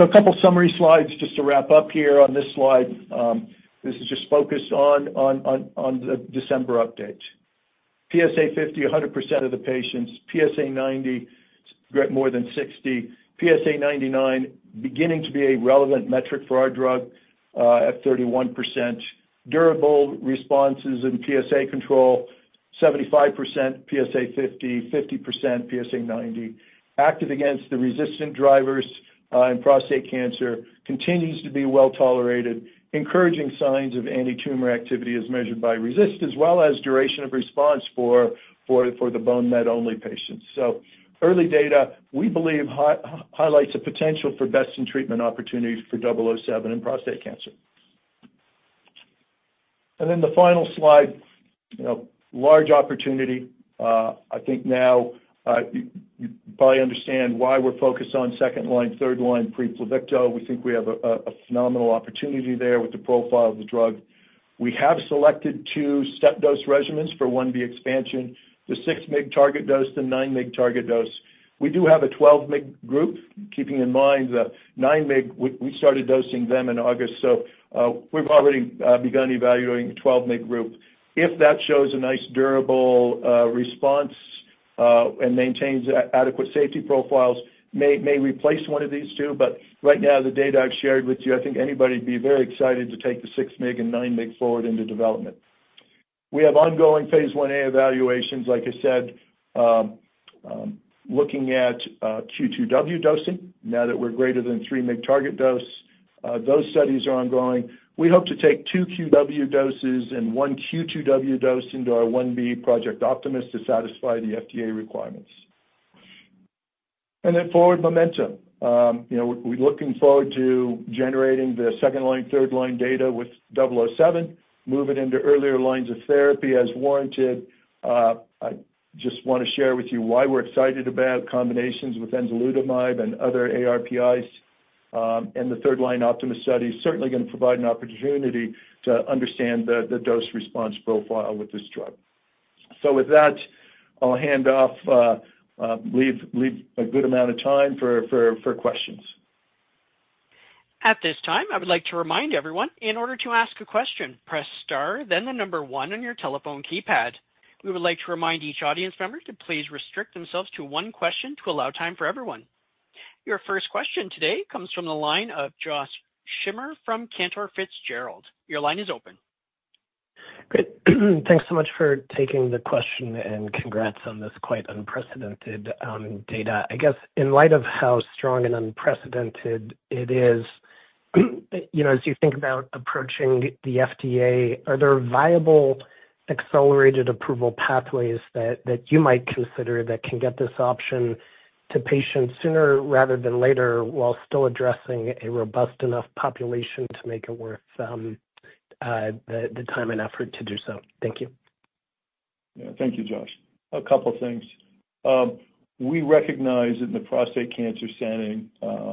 So a couple of summary slides just to wrap up here on this slide. This is just focused on the December update. PSA50, 100% of the patients. PSA90, more than 60%. PSA90, beginning to be a relevant metric for our drug at 31%. Durable responses in PSA control, 75%, PSA50, 50%, PSA90. Active against the resistant drivers in prostate cancer continues to be well tolerated. Encouraging signs of antitumor activity as measured by RECIST as well as duration of response for the bone met only patients. So early data, we believe, highlights a potential for best-in-treatment opportunity for 007 in prostate cancer. And then the final slide, large opportunity. I think now you probably understand why we're focused on second line, third line, pre-Pluvicto. We think we have a phenomenal opportunity there with the profile of the drug. We have selected two-step dose regimens for one-week expansion, the 6 mg target dose, the 9 mg target dose. We do have a 12 mg group, keeping in mind the 9 mg. We started dosing them in August. We've already begun evaluating the 12 mg group. If that shows a nice durable response and maintains adequate safety profiles, may replace one of these two. Right now, the data I've shared with you, I think anybody would be very excited to take the 6 mg and 9 mg forward into development. We have phase I-A evaluations, like I said, looking at Q2W dosing now that we're greater than 3 mg target dose. Those studies are ongoing. We hope to take two QW doses and one Q2W dose into our I-B Project Optimist to satisfy the FDA requirements. Then forward momentum. We're looking forward to generating the second line, third line data with 007, move it into earlier lines of therapy as warranted. I just want to share with you why we're excited about combinations with enzalutamide and other ARPIs. The third-line Optimist study is certainly going to provide an opportunity to understand the dose-response profile with this drug. With that, I'll hand off, leave a good amount of time for questions.
At this time, I would like to remind everyone, in order to ask a question, press star, then the number one on your telephone keypad. We would like to remind each audience member to please restrict themselves to one question to allow time for everyone. Your first question today comes from the line of Josh Schimmer from Cantor Fitzgerald. Your line is open.
Great. Thanks so much for taking the question and congrats on this quite unprecedented data. I guess in light of how strong and unprecedented it is, as you think about approaching the FDA, are there viable accelerated approval pathways that you might consider that can get this option to patients sooner rather than later while still addressing a robust enough population to make it worth the time and effort to do so? Thank you.
Yeah. Thank you, Josh. A couple of things. We recognize in the prostate cancer setting, the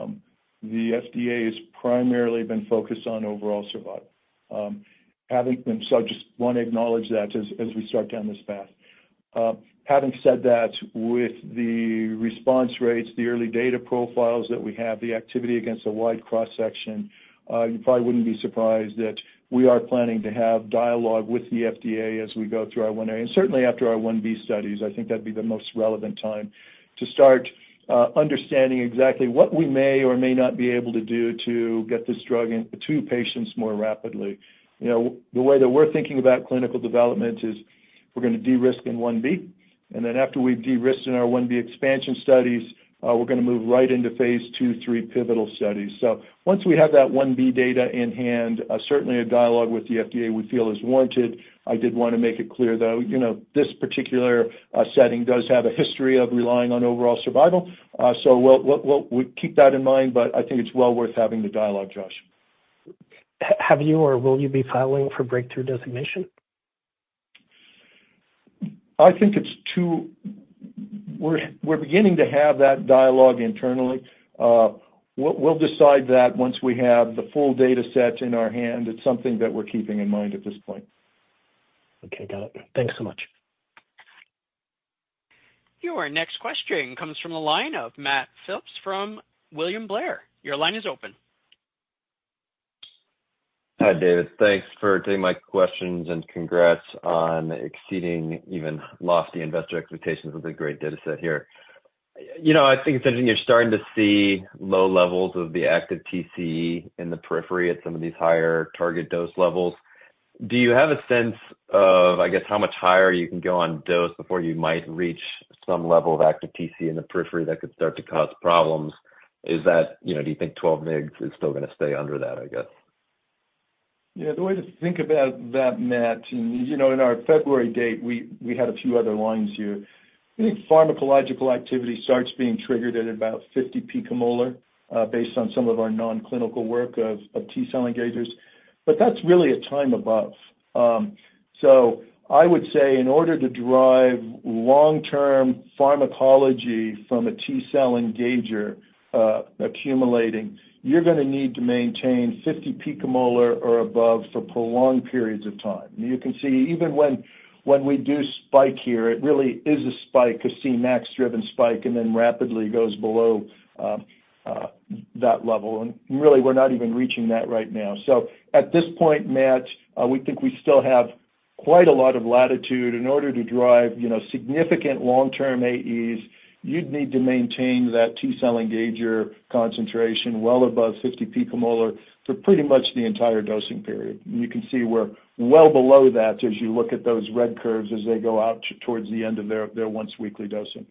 FDA has primarily been focused on overall survival. So I just want to acknowledge that as we start down this path. Having said that, with the response rates, the early data profiles that we have, the activity against a wide cross-section, you probably wouldn't be surprised that we are planning to have dialogue with the FDA as we go through our I-A. And certainly after our I-B studies, I think that'd be the most relevant time to start understanding exactly what we may or may not be able to do to get this drug into patients more rapidly. The way that we're thinking about clinical development is we're going to de-risk in I-B. And then after we've de-risked in our I-B expansion studies, we're going to move right into phase II, III pivotal studies. So once we have that one-week data in hand, certainly a dialogue with the FDA we feel is warranted. I did want to make it clear, though, this particular setting does have a history of relying on overall survival. So we'll keep that in mind, but I think it's well worth having the dialogue, Josh.
Have you or will you be filing for breakthrough designation?
I think it's true we're beginning to have that dialogue internally. We'll decide that once we have the full data set in our hand. It's something that we're keeping in mind at this point.
Okay. Got it. Thanks so much.
Your next question comes from the line of Matt Phipps from William Blair. Your line is open.
Hi, David. Thanks for taking my questions and congrats on exceeding even lofty investor expectations with a great data set here. I think it's interesting. You're starting to see low levels of the active TCE in the periphery at some of these higher target dose levels. Do you have a sense of, I guess, how much higher you can go on dose before you might reach some level of active TC in the periphery that could start to cause problems? Do you think 12 weeks is still going to stay under that, I guess?
Yeah. The way to think about that, Matt, in our February data, we had a few other lines here. I think pharmacological activity starts being triggered at about 50 picomolar based on some of our non-clinical work of T-cell engagers. But that's really a time above. So I would say in order to drive long-term pharmacology from a T-cell engager accumulating, you're going to need to maintain 50 picomolar or above for prolonged periods of time. And you can see even when we do spike here, it really is a spike, a Cmax-driven spike, and then rapidly goes below that level. And really, we're not even reaching that right now. So at this point, Matt, we think we still have quite a lot of latitude in order to drive significant long-term AEs. You'd need to maintain that T-cell engager concentration well above 50 picomolar for pretty much the entire dosing period, and you can see we're well below that as you look at those red curves as they go out towards the end of their once-weekly dosing.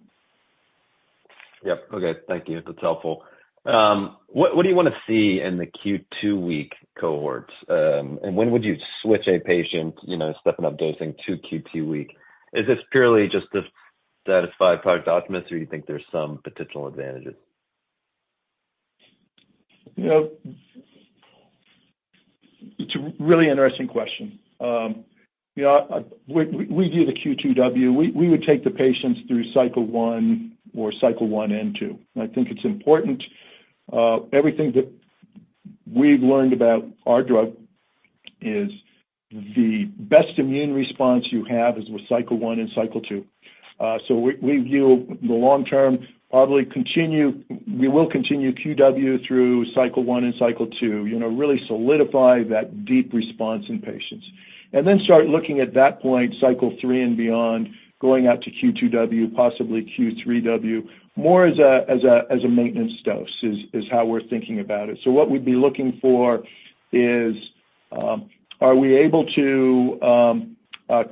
Yep. Okay. Thank you. That's helpful. What do you want to see in the Q2 week cohorts? And when would you switch a patient stepping up dosing to Q2 week? Is this purely just to satisfy Project Optimist, or do you think there's some potential advantages?
It's a really interesting question. We view the Q2W. We would take the patients through cycle one or cycle one and two. I think it's important. Everything that we've learned about our drug is the best immune response you have is with cycle one and cycle two. So we view the long-term, probably continue we will continue QW through cycle one and cycle two, really solidify that deep response in patients. And then start looking at that point, cycle three and beyond, going out to Q2W, possibly Q3W, more as a maintenance dose is how we're thinking about it. So what we'd be looking for is, are we able to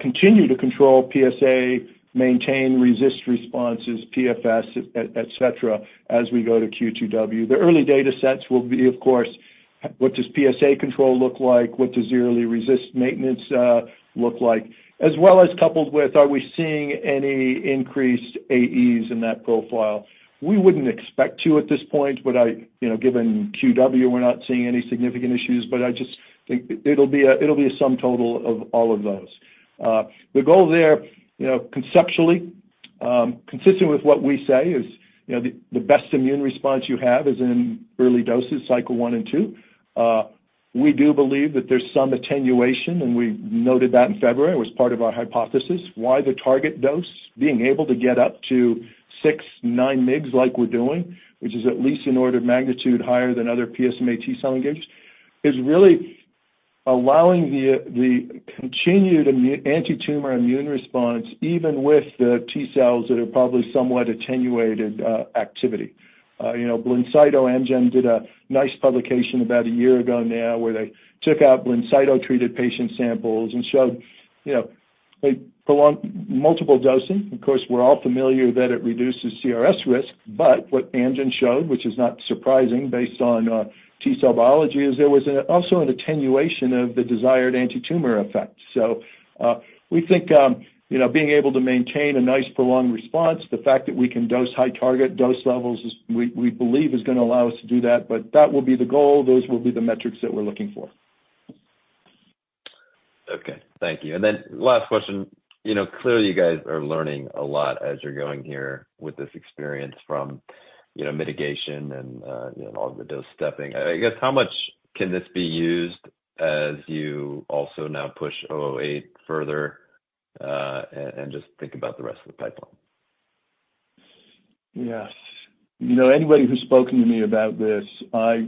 continue to control PSA, maintain RECIST responses, PFS, etc., as we go to Q2W? The early data sets will be, of course, what does PSA control look like? What does yearly RECIST maintenance look like? As well as coupled with, are we seeing any increased AEs in that profile? We wouldn't expect to at this point, but given QW, we're not seeing any significant issues. But I just think it'll be a sum total of all of those. The goal there, conceptually, consistent with what we say is the best immune response you have is in early doses, cycle one and two. We do believe that there's some attenuation, and we noted that in February. It was part of our hypothesis. Why the target dose? Being able to get up to six- to 9 mgs like we're doing, which is at least an order of magnitude higher than other PSMA T-cell engagers, is really allowing the continued antitumor immune response, even with the T-cells that are probably somewhat attenuated activity. Blincyto and Amgen did a nice publication about a year ago now where they took out Blincyto-treated patient samples and showed a prolonged multiple dosing. Of course, we're all familiar that it reduces CRS risk, but what Amgen showed, which is not surprising based on T-cell biology, is there was also an attenuation of the desired antitumor effect, so we think being able to maintain a nice prolonged response, the fact that we can dose high target dose levels, we believe is going to allow us to do that. But that will be the goal. Those will be the metrics that we're looking for.
Okay. Thank you. And then last question. Clearly, you guys are learning a lot as you're going here with this experience from mitigation and all the dose stepping. I guess how much can this be used as you also now push 008 further and just think about the rest of the pipeline?
Yes. Anybody who's spoken to me about this, I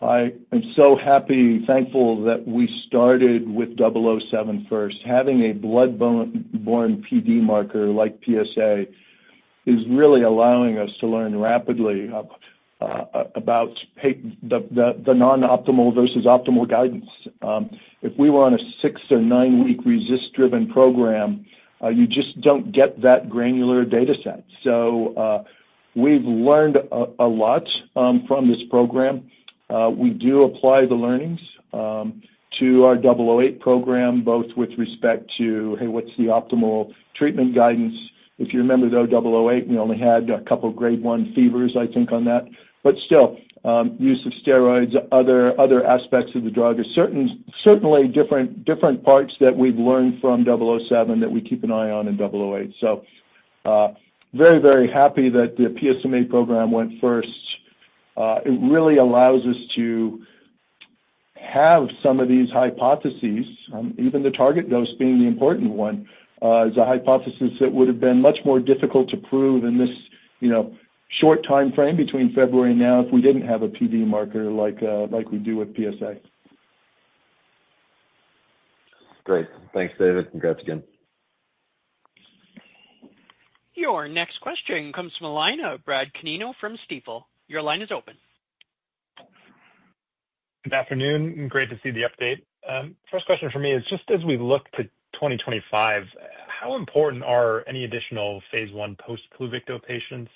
am so happy, thankful that we started with 007 first. Having a blood-borne PD marker like PSA is really allowing us to learn rapidly about the non-optimal versus optimal guidance. If we were on a six or 9 mg RECIST-driven program, you just don't get that granular data set. So we've learned a lot from this program. We do apply the learnings to our 008 program, both with respect to, hey, what's the optimal treatment guidance? If you remember, though, 008, we only had a couple of grade one fevers, I think, on that. But still, use of steroids, other aspects of the drug are certainly different parts that we've learned from 007 that we keep an eye on in 008. So very, very happy that the PSMA program went first. It really allows us to have some of these hypotheses, even the target dose being the important one, is a hypothesis that would have been much more difficult to prove in this short time frame between February and now if we didn't have a PD marker like we do with PSA.
Great. Thanks, David. Congrats again.
Your next question comes from Bradley Canino from Stifel. Your line is open.
Good afternoon. Great to see the update. First question for me is just as we look to 2025, how important are any additional phase I post-Pluvicto patients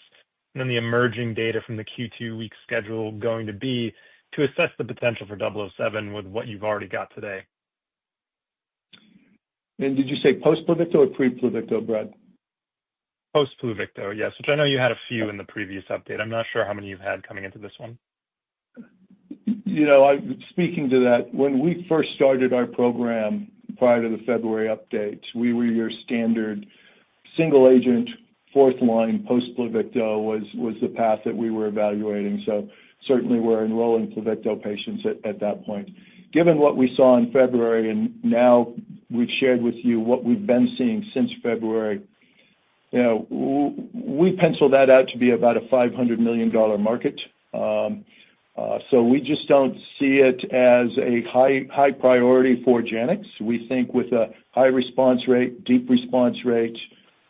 and then the emerging data from the Q2 weeks schedule going to be to assess the potential for 007 with what you've already got today?
And did you say post-Pluvicto or pre-Pluvicto, Brad?
Post-Pluvicto, yes, which I know you had a few in the previous update. I'm not sure how many you've had coming into this one.
Speaking to that, when we first started our program prior to the February update, we were your standard single-agent fourth-line post-Pluvicto was the path that we were evaluating. So certainly, we're enrolling Pluvicto patients at that point. Given what we saw in February and now we've shared with you what we've been seeing since February, we pencil that out to be about a $500 million market. So we just don't see it as a high priority for Janux. We think with a high response rate, deep response rate,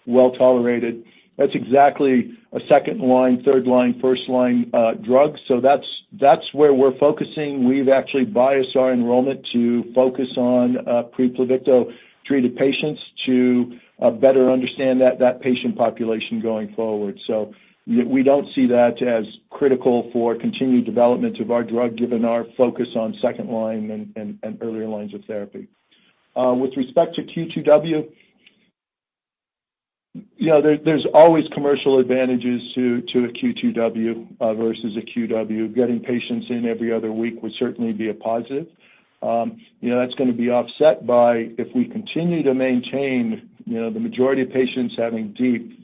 well tolerated, that's exactly a second-line, third-line, first-line drug. So that's where we're focusing. We've actually biased our enrollment to focus on pre-Pluvicto-treated patients to better understand that patient population going forward. So we don't see that as critical for continued development of our drug given our focus on second-line and earlier lines of therapy. With respect to Q2W, there's always commercial advantages to a Q2W versus a QW. Getting patients in every other week would certainly be a positive. That's going to be offset by if we continue to maintain the majority of patients having deep,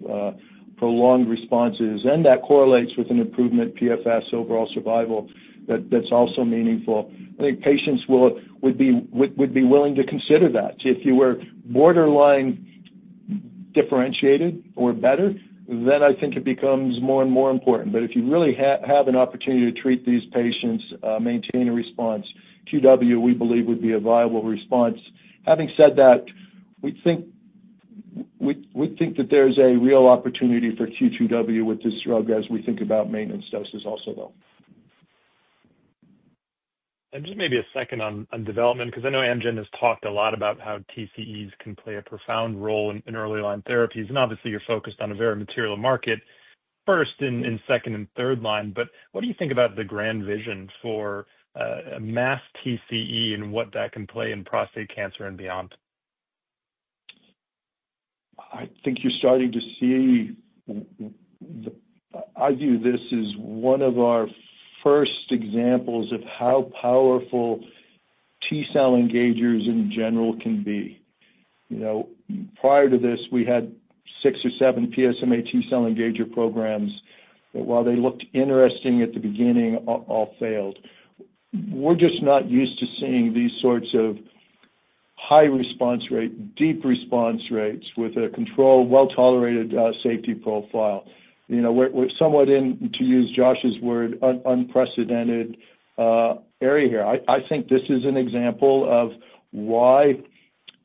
prolonged responses. And that correlates with an improvement in PFS overall survival that's also meaningful. I think patients would be willing to consider that. If you were borderline differentiated or better, then I think it becomes more and more important. But if you really have an opportunity to treat these patients, maintain a response, QW, we believe, would be a viable response. Having said that, we think that there's a real opportunity for Q2W with this drug as we think about maintenance doses also, though.
Just maybe a second on development because I know Amgen has talked a lot about how TCEs can play a profound role in early-line therapies. Obviously, you're focused on a very material market, first- and second- and third-line. But what do you think about the grand vision for a masked TCE and what that can play in prostate cancer and beyond?
I think you're starting to see I view this as one of our first examples of how powerful T-cell engagers in general can be. Prior to this, we had six or seven PSMA T-cell engager programs that, while they looked interesting at the beginning, all failed. We're just not used to seeing these sorts of high response rate, deep response rates with a controlled, well-tolerated safety profile. We're somewhat in, to use Josh's word, unprecedented area here. I think this is an example of why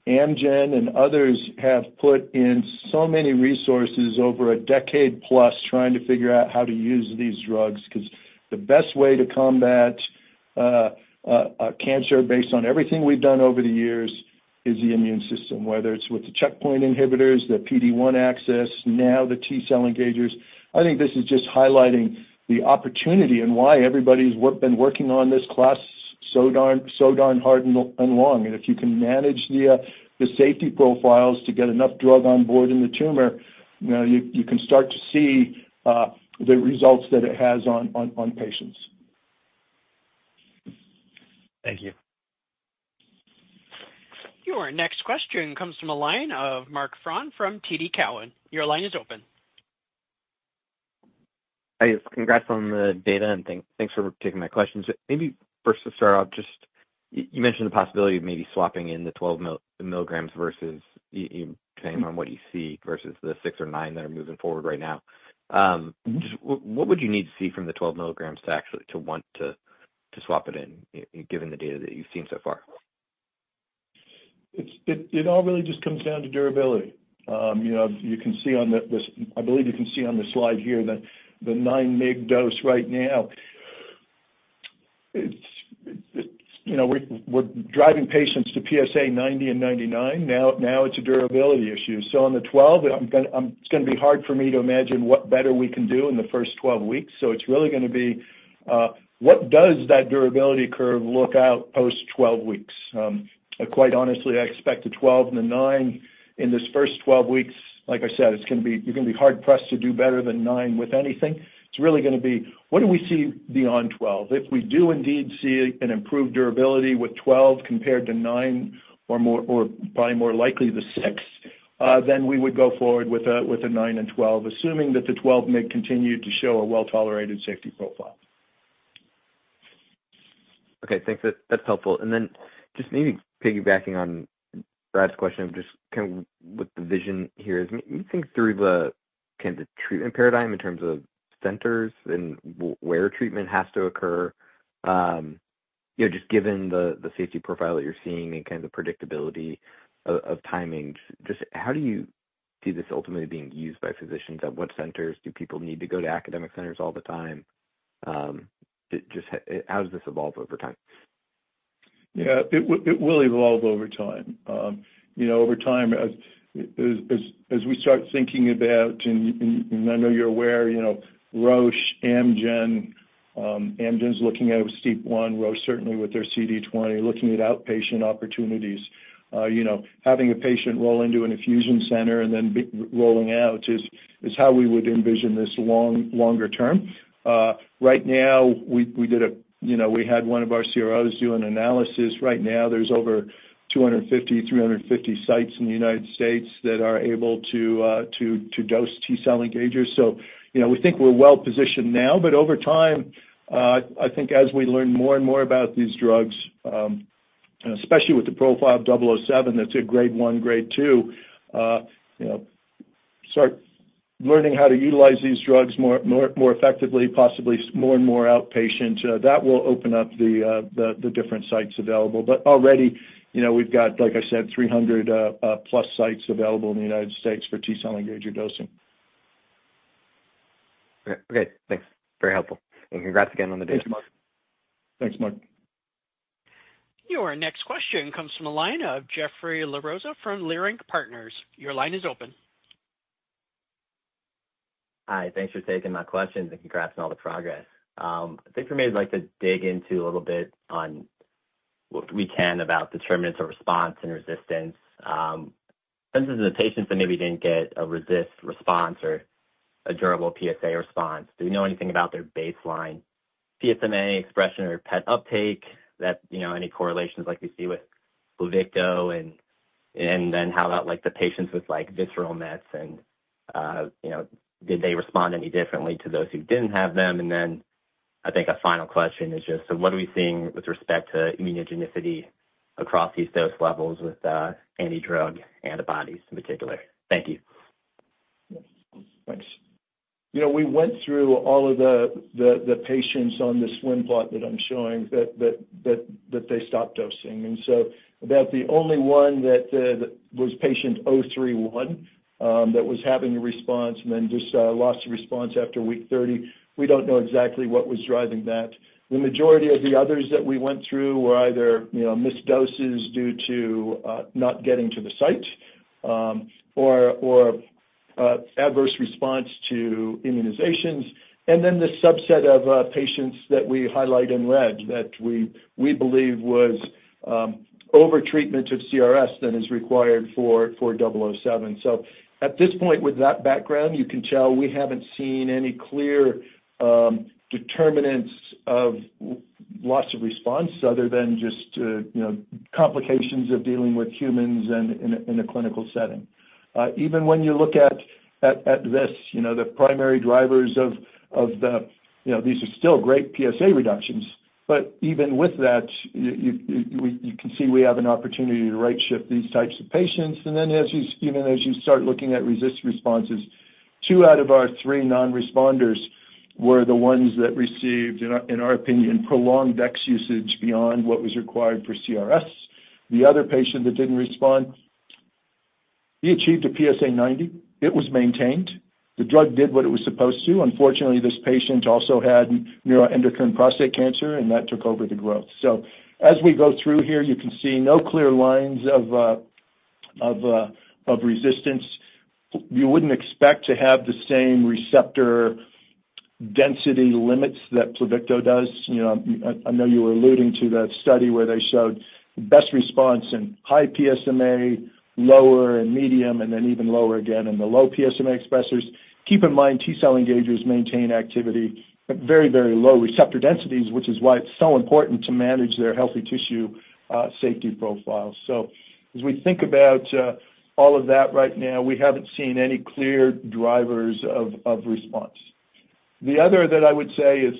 Amgen and others have put in so many resources over a decade-plus trying to figure out how to use these drugs because the best way to combat cancer based on everything we've done over the years is the immune system, whether it's with the checkpoint inhibitors, the PD-1 axis, now the T-cell engagers. I think this is just highlighting the opportunity and why everybody's been working on this class so darn hard and long, and if you can manage the safety profiles to get enough drug on board in the tumor, you can start to see the results that it has on patients.
Thank you.
Your next question comes from a line of Marc Frahm from TD Cowen. Your line is open.
Hey, congrats on the data and thanks for taking my questions. Maybe first to start off, just you mentioned the possibility of maybe swapping in the 12 milligrams versus you're saying on what you see versus the six or nine that are moving forward right now. What would you need to see from the 12 milligrams to want to swap it in given the data that you've seen so far?
It all really just comes down to durability. I believe you can see on the slide here that the 9 mg dose right now, we're driving patients to PSA90 and 99. Now it's a durability issue. So on the 12, it's going to be hard for me to imagine what better we can do in the first 12 weeks. So it's really going to be, what does that durability curve look like post-12 weeks? Quite honestly, I expect the 12 and the 9 in this first 12 weeks, like I said, you're going to be hard-pressed to do better than 9 with anything. It's really going to be, what do we see beyond 12? If we do indeed see an improved durability with 12 compared to nine or probably more likely the six, then we would go forward with a nine and 12, assuming that the 12 may continue to show a well-tolerated safety profile.
Okay. Thanks. That's helpful. And then just maybe piggybacking on Brad's question, just kind of what the vision here is, think through kind of the treatment paradigm in terms of centers and where treatment has to occur. Just given the safety profile that you're seeing and kind of the predictability of timing, just how do you see this ultimately being used by physicians? At what centers? Do people need to go to academic centers all the time? How does this evolve over time?
Yeah. It will evolve over time. Over time, as we start thinking about, and I know you're aware, Roche, Amgen, Amgen's looking at with STEAP1, Roche certainly with their CD20, looking at outpatient opportunities. Having a patient roll into an infusion center and then rolling out is how we would envision this longer term. Right now, we had one of our CROs do an analysis. Right now, there's over 250-350 sites in the United States that are able to dose T-cell engagers. So we think we're well-positioned now. But over time, I think as we learn more and more about these drugs, especially with the profile of 007, that's a grade one, grade two, start learning how to utilize these drugs more effectively, possibly more and more outpatient, that will open up the different sites available. But already, we've got, like I said, 300-plus sites available in the United States for T-cell engager dosing.
Okay. Thanks. Very helpful, and congrats again on the data,
Marc. Thanks, Marc.
Your next question comes from analyst Jeffrey La Rosa from Leerink Partners. Your line is open.
Hi. Thanks for taking my questions and congrats on all the progress. I think for me, I'd like to dig into a little bit on what we can about determinants of response and resistance. Sometimes in the patients that maybe didn't get a RECIST response or a durable PSA response, do we know anything about their baseline PSMA expression or PET uptake, any correlations like we see with Pluvicto? And then how about the patients with visceral mets? And did they respond any differently to those who didn't have them? And then I think a final question is just, so what are we seeing with respect to immunogenicity across these dose levels with anti-drug antibodies in particular? Thank you.
Thanks. We went through all of the patients on this one plot that I'm showing that they stopped dosing, and so about the only one that was patient 031 that was having a response and then just lost response after week 30, we don't know exactly what was driving that. The majority of the others that we went through were either missed doses due to not getting to the site or adverse response to immunizations, and then the subset of patients that we highlight in red that we believe was overtreatment of CRS that is required for 007, so at this point, with that background, you can tell we haven't seen any clear determinants of loss of response other than just complications of dealing with humans in a clinical setting. Even when you look at this, the primary drivers of these are still great PSA reductions. But even with that, you can see we have an opportunity to right-shift these types of patients. And then even as you start looking at RECIST responses, two out of our three non-responders were the ones that received, in our opinion, prolonged Dex usage beyond what was required for CRS. The other patient that didn't respond, he achieved a PSA90. It was maintained. The drug did what it was supposed to. Unfortunately, this patient also had neuroendocrine prostate cancer, and that took over the growth. So as we go through here, you can see no clear lines of resistance. You wouldn't expect to have the same receptor density limits that Pluvicto does. I know you were alluding to that study where they showed best response in high PSMA, lower and medium, and then even lower again in the low PSMA expressors. Keep in mind, T-cell engagers maintain activity at very, very low receptor densities, which is why it's so important to manage their healthy tissue safety profile. So as we think about all of that right now, we haven't seen any clear drivers of response. The other that I would say is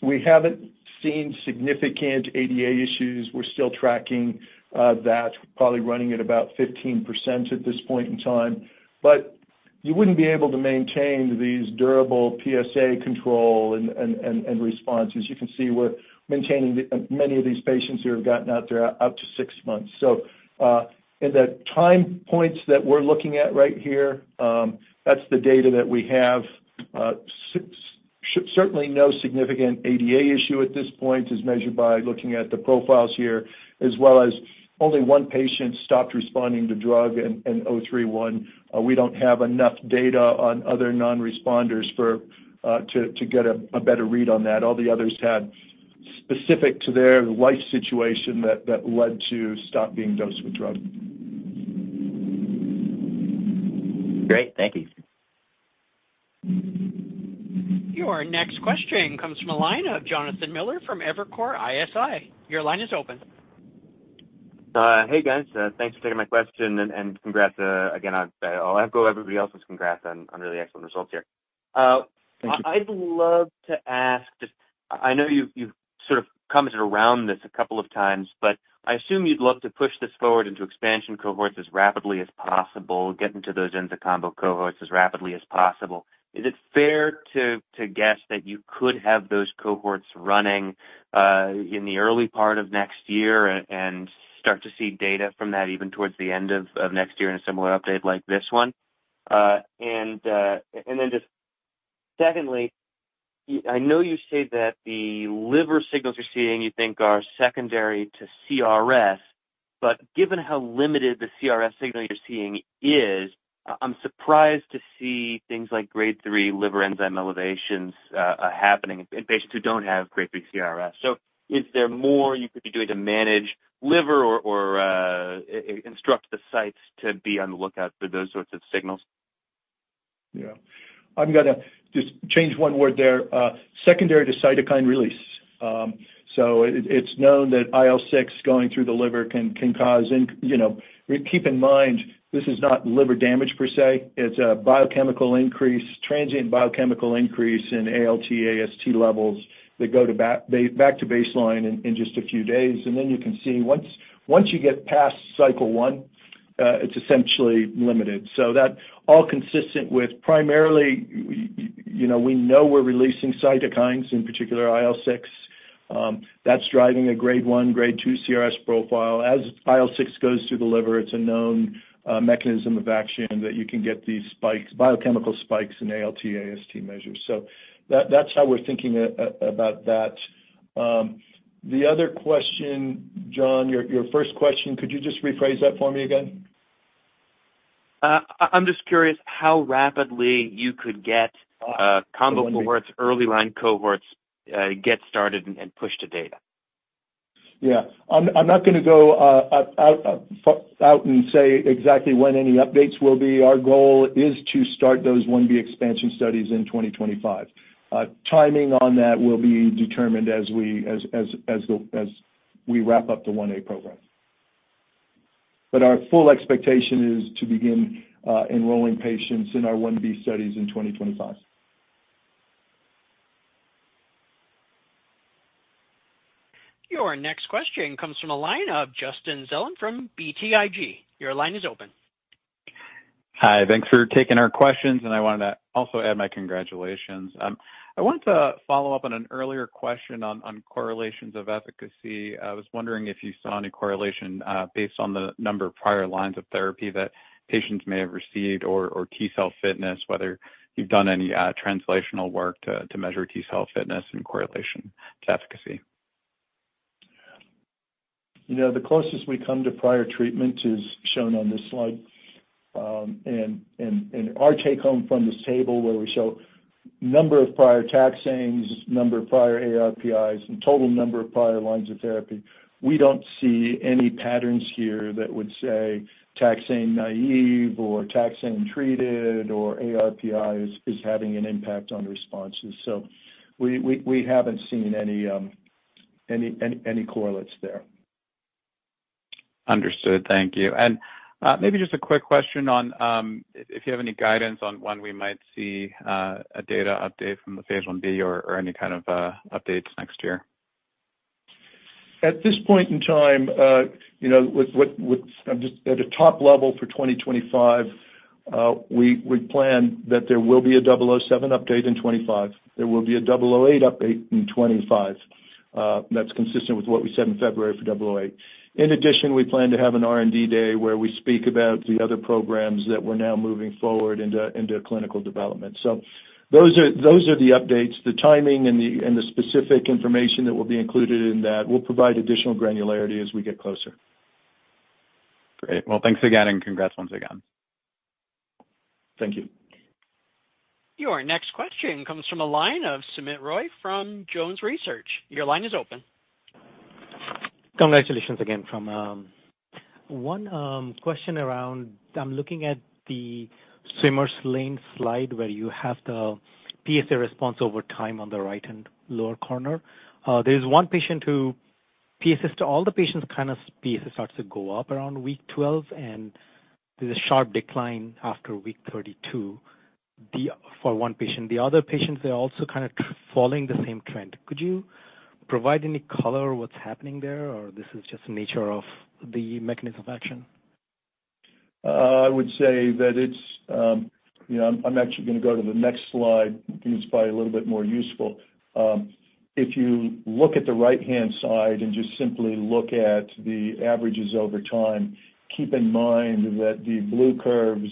we haven't seen significant ADA issues. We're still tracking that, probably running at about 15% at this point in time. But you wouldn't be able to maintain these durable PSA control and responses. You can see we're maintaining many of these patients who have gotten out there up to six months. So in the time points that we're looking at right here, that's the data that we have. Certainly, no significant ADA issue at this point is measured by looking at the profiles here, as well as only one patient stopped responding to drug and 031. We don't have enough data on other non-responders to get a better read on that. All the others had specific to their life situation that led to stop being dosed with drug.
Great. Thank you.
Your next question comes from Jonathan Miller from Evercore ISI. Your line is open.
Hey, guys. Thanks for taking my question and congrats again. I'll echo everybody else's congrats on really excellent results here. I'd love to ask, just I know you've sort of commented around this a couple of times, but I assume you'd love to push this forward into expansion cohorts as rapidly as possible, get into those Enza combo cohorts as rapidly as possible. Is it fair to guess that you could have those cohorts running in the early part of next year and start to see data from that even towards the end of next year in a similar update like this one? And then just secondly, I know you say that the liver signals you're seeing, you think, are secondary to CRS, but given how limited the CRS signal you're seeing is, I'm surprised to see things like grade three liver enzyme elevations happening in patients who don't have grade three CRS. So is there more you could be doing to manage liver or instruct the sites to be on the lookout for those sorts of signals?
Yeah. I'm going to just change one word there. Secondary to cytokine release. So it's known that IL-6 going through the liver can cause. Keep in mind, this is not liver damage per se. It's a biochemical increase, transient biochemical increase in ALT, AST levels that go back to baseline in just a few days. And then you can see once you get past cycle one, it's essentially limited. So that all consistent with primarily we know we're releasing cytokines, in particular IL-6. That's driving a grade 1, grade 2 CRS profile. As IL-6 goes through the liver, it's a known mechanism of action that you can get these spikes, biochemical spikes in ALT, AST measures. So that's how we're thinking about that. The other question, John, your first question, could you just rephrase that for me again?
I'm just curious how rapidly you could get combo cohorts, early line cohorts get started and push to data?
Yeah. I'm not going to go out and say exactly when any updates will be. Our goal is to start those I-B expansion studies in 2025. Timing on that will be determined as we wrap up the I-A program, but our full expectation is to begin enrolling patients in our I-B studies in 2025.
Your next question comes from Justin Zelin from BTIG. Your line is open. Hi. Thanks for taking our questions. And I wanted to also add my congratulations. I wanted to follow up on an earlier question on correlations of efficacy. I was wondering if you saw any correlation based on the number of prior lines of therapy that patients may have received or T-cell fitness, whether you've done any translational work to measure T-cell fitness and correlation to efficacy.
The closest we come to prior treatment is shown on this slide, and our take home from this table where we show number of prior taxanes, number of prior ARPIs, and total number of prior lines of therapy, we don't see any patterns here that would say taxane naive or taxane treated or ARPI is having an impact on responses, so we haven't seen any correlates there. Understood. Thank you. And maybe just a quick question on if you have any guidance on when we might see a data update from phase I-B or any kind of updates next year? At this point in time, at a top level for 2025, we plan that there will be a 007 update in 2025. There will be a 008 update in 2025. That's consistent with what we said in February for 008. In addition, we plan to have an R&D day where we speak about the other programs that we're now moving forward into clinical development. So those are the updates. The timing and the specific information that will be included in that will provide additional granularity as we get closer. Great, well, thanks again and congrats once again. Thank you.
Your next question comes from the line of Soumit Roy from Jones Research. Your line is open.
Congratulations again. One question around, I'm looking at the swim lane slide where you have the PSA response over time on the right-hand lower corner. There is one patient whose PSA, like all the patients, kind of starts to go up around week 12, and there's a sharp decline after week 32 for one patient. The other patients, they're also kind of following the same trend. Could you provide any color on what's happening there, or is this just the nature of the mechanism of action?
I would say that I'm actually going to go to the next slide. I think it's probably a little bit more useful. If you look at the right-hand side and just simply look at the averages over time, keep in mind that the blue curves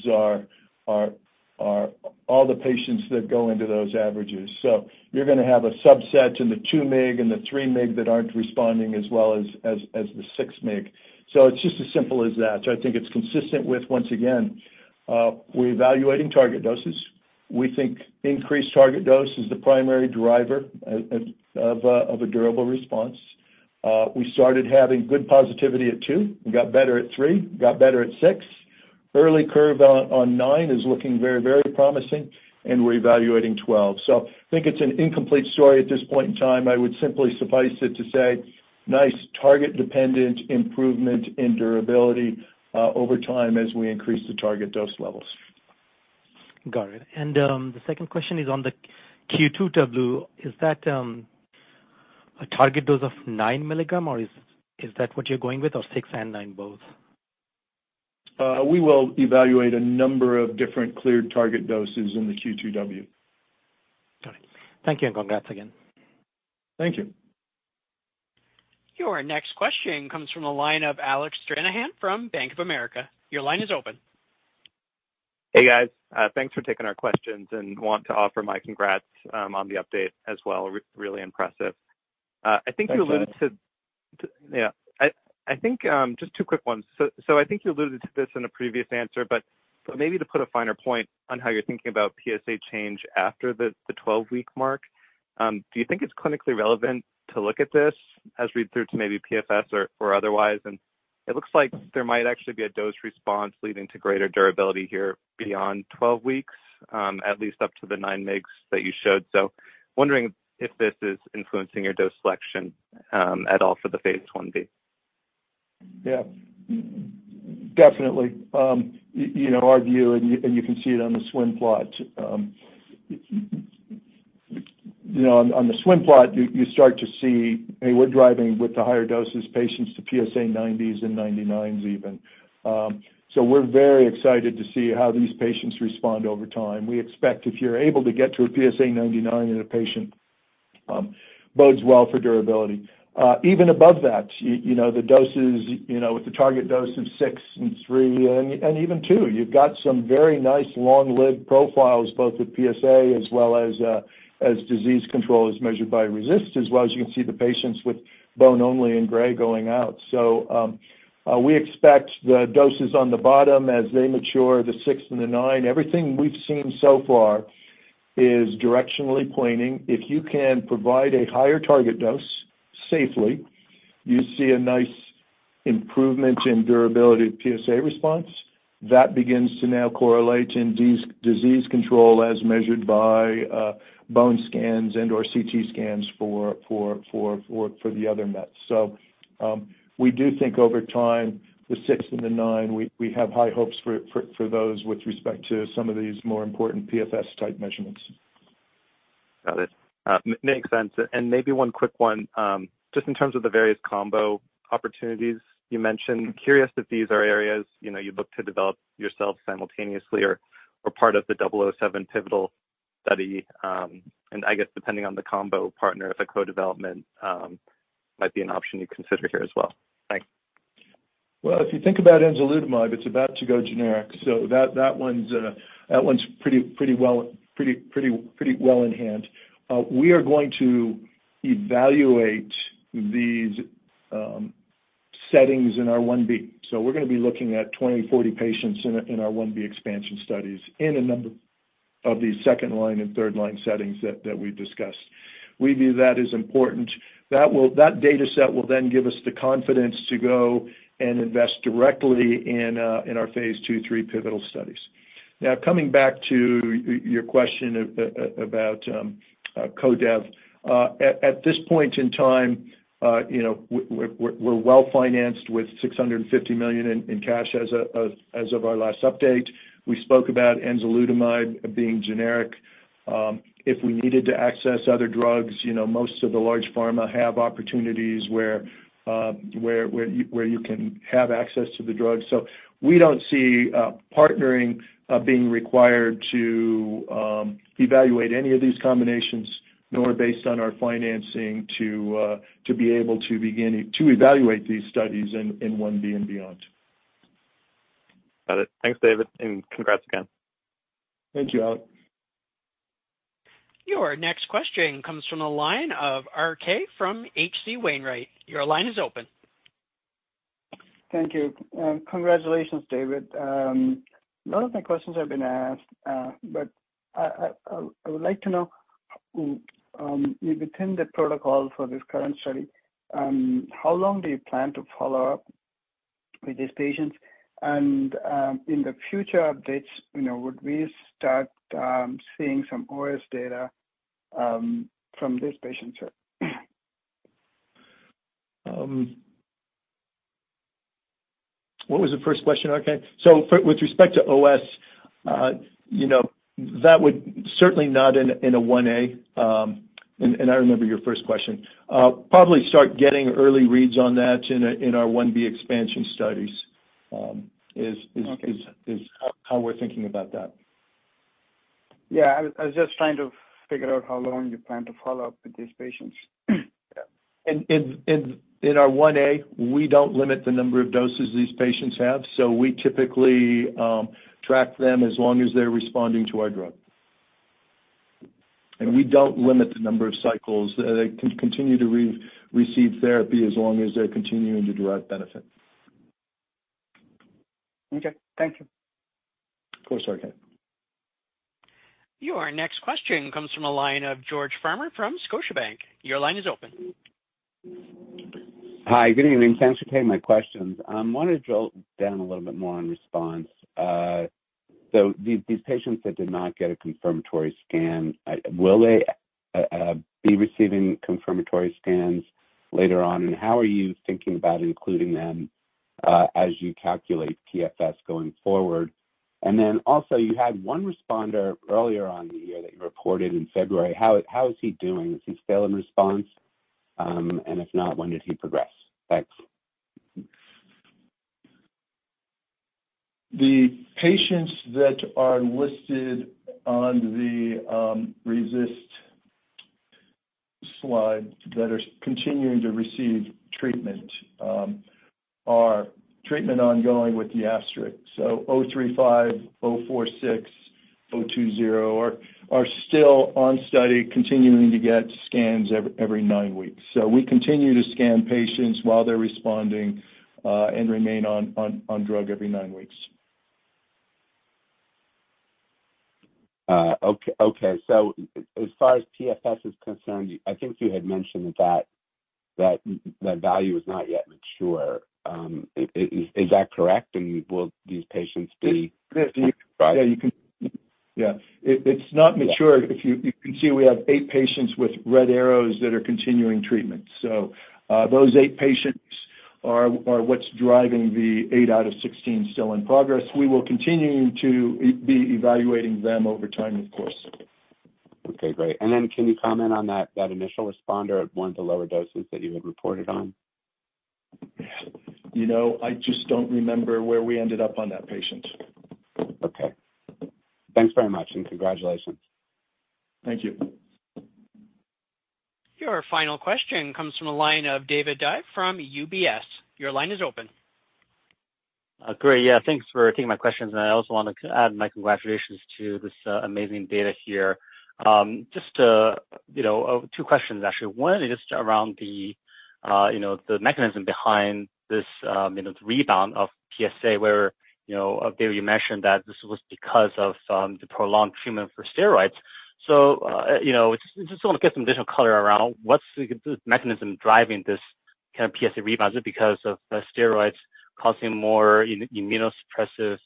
are all the patients that go into those averages. So you're going to have a subset in the 2 mg and the 3 mg that aren't responding as well as the 6 mg. So it's just as simple as that. So I think it's consistent with, once again, we're evaluating target doses. We think increased target dose is the primary driver of a durable response. We started having good positivity at 2. We got better at 3. We got better at 6. Early curve on 9 is looking very, very promising, and we're evaluating 12. So I think it's an incomplete story at this point in time. I would simply suffice it to say, nice target-dependent improvement in durability over time as we increase the target dose levels.
Got it. And the second question is on the Q2W. Is that a target dose of nine milligrams, or is that what you're going with, or six and nine both?
We will evaluate a number of different cleared target doses in the Q2W.
Got it. Thank you and congrats again.
Thank you.
Your next question comes from Alec Stranahan from Bank of America. Your line is open.
Hey, guys. Thanks for taking our questions and want to offer my congrats on the update as well. Really impressive. I think you alluded to.
Thanks.
Yeah. I think just two quick ones. So I think you alluded to this in a previous answer, but maybe to put a finer point on how you're thinking about PSA change after the 12 mg mark, do you think it's clinically relevant to look at this as we move through to maybe PFS or otherwise? And it looks like there might actually be a dose response leading to greater durability here beyond 12 weeks, at least up to the 9 mgs that you showed. So wondering if this is influencing your dose selection at all for the phase I-B?
Yeah. Definitely. Our view, and you can see it on the swim plot. On the swim plot, you start to see, hey, we're driving with the higher doses patients to PSA90s and 99s even. So we're very excited to see how these patients respond over time. We expect if you're able to get to a PSA99 in a patient, bodes well for durability. Even above that, the doses with the target dose of six and three and even two, you've got some very nice long-lived profiles, both with PSA as well as disease control as measured by RECIST as well as you can see the patients with bone-only and gray going out. So we expect the doses on the bottom as they mature, the six and the nine. Everything we've seen so far is directionally pointing. If you can provide a higher target dose safely, you see a nice improvement in durability of PSA response. That begins to now correlate in disease control as measured by bone scans and/or CT scans for the other mets, so we do think over time, the six and the nine, we have high hopes for those with respect to some of these more important PFS-type measurements.
Got it. Makes sense. And maybe one quick one. Just in terms of the various combo opportunities you mentioned, curious if these are areas you look to develop yourself simultaneously or part of the 007 pivotal study? And I guess depending on the combo partner, if a co-development might be an option you consider here as well? Thanks.
If you think about enzalutamide, it's about to go generic. That one's pretty well in hand. We are going to evaluate these settings in our I-B. We're going to be looking at 20-40 patients in our I-B expansion studies in a number of these second-line and third-line settings that we've discussed. We view that as important. That dataset will then give us the confidence to go and invest directly in our phase II, 3 pivotal studies. Coming back to your question about co-dev, at this point in time, we're well financed with $650 million in cash as of our last update. We spoke about enzalutamide being generic. If we needed to access other drugs, most of the large pharma have opportunities where you can have access to the drug. So we don't see partnering being required to evaluate any of these combinations, nor based on our financing to be able to begin to evaluate these studies in I-B and beyond.
Got it. Thanks, David. And congrats again.
Thank you, Alec.
Your next question comes from the line of RK from H.C. Wainwright. Your line is open. Thank you. Congratulations, David. None of my questions have been asked, but I would like to know within the protocol for this current study, how long do you plan to follow up with these patients? And in the future updates, would we start seeing some OS data from these patients?
What was the first question, RK? So with respect to OS, that would certainly not in a I-A. And I remember your first question. Probably start getting early reads on that in our I-B expansion studies is how we're thinking about that. Yeah. I was just trying to figure out how long you plan to follow up with these patients? In our I-A, we don't limit the number of doses these patients have, so we typically track them as long as they're responding to our drug, and we don't limit the number of cycles. They can continue to receive therapy as long as they're continuing to derive benefit. Okay. Thank you. Of course, RK.
Your next question comes from a line of George Farmer from Scotiabank. Your line is open.
Hi. Good evening. Thanks for taking my questions. I want to drill down a little bit more on response. So these patients that did not get a confirmatory scan, will they be receiving confirmatory scans later on? And how are you thinking about including them as you calculate PFS going forward? And then also, you had one responder earlier on in the year that you reported in February. How is he doing? Is he still in response? And if not, when did he progress? Thanks.
The patients that are listed on the RECIST slide that are continuing to receive treatment are treatment ongoing with the asterisk. 035, 046, 020 are still on study, continuing to get scans every nine weeks. We continue to scan patients while they're responding and remain on drug every nine weeks.
Okay, so as far as PFS is concerned, I think you had mentioned that that value is not yet mature. Is that correct, and will these patients be?
Yeah. You can. Yeah. It's not mature. You can see we have eight patients with red arrows that are continuing treatment. So those eight patients are what's driving the eight out of 16 still in progress. We will continue to be evaluating them over time, of course.
Okay. Great. And then can you comment on that initial responder at one of the lower doses that you had reported on?
I just don't remember where we ended up on that patient.
Okay. Thanks very much and congratulations.
Thank you.
Your final question comes from a line of David Dai from UBS. Your line is open.
Great. Yeah. Thanks for taking my questions. And I also want to add my congratulations to this amazing data here. Just two questions, actually. One is just around the mechanism behind this rebound of PSA, where David, you mentioned that this was because of the prolonged treatment with steroids. So I just want to get some additional color around what's the mechanism driving this kind of PSA rebound? Is it because of steroids causing more immunosuppression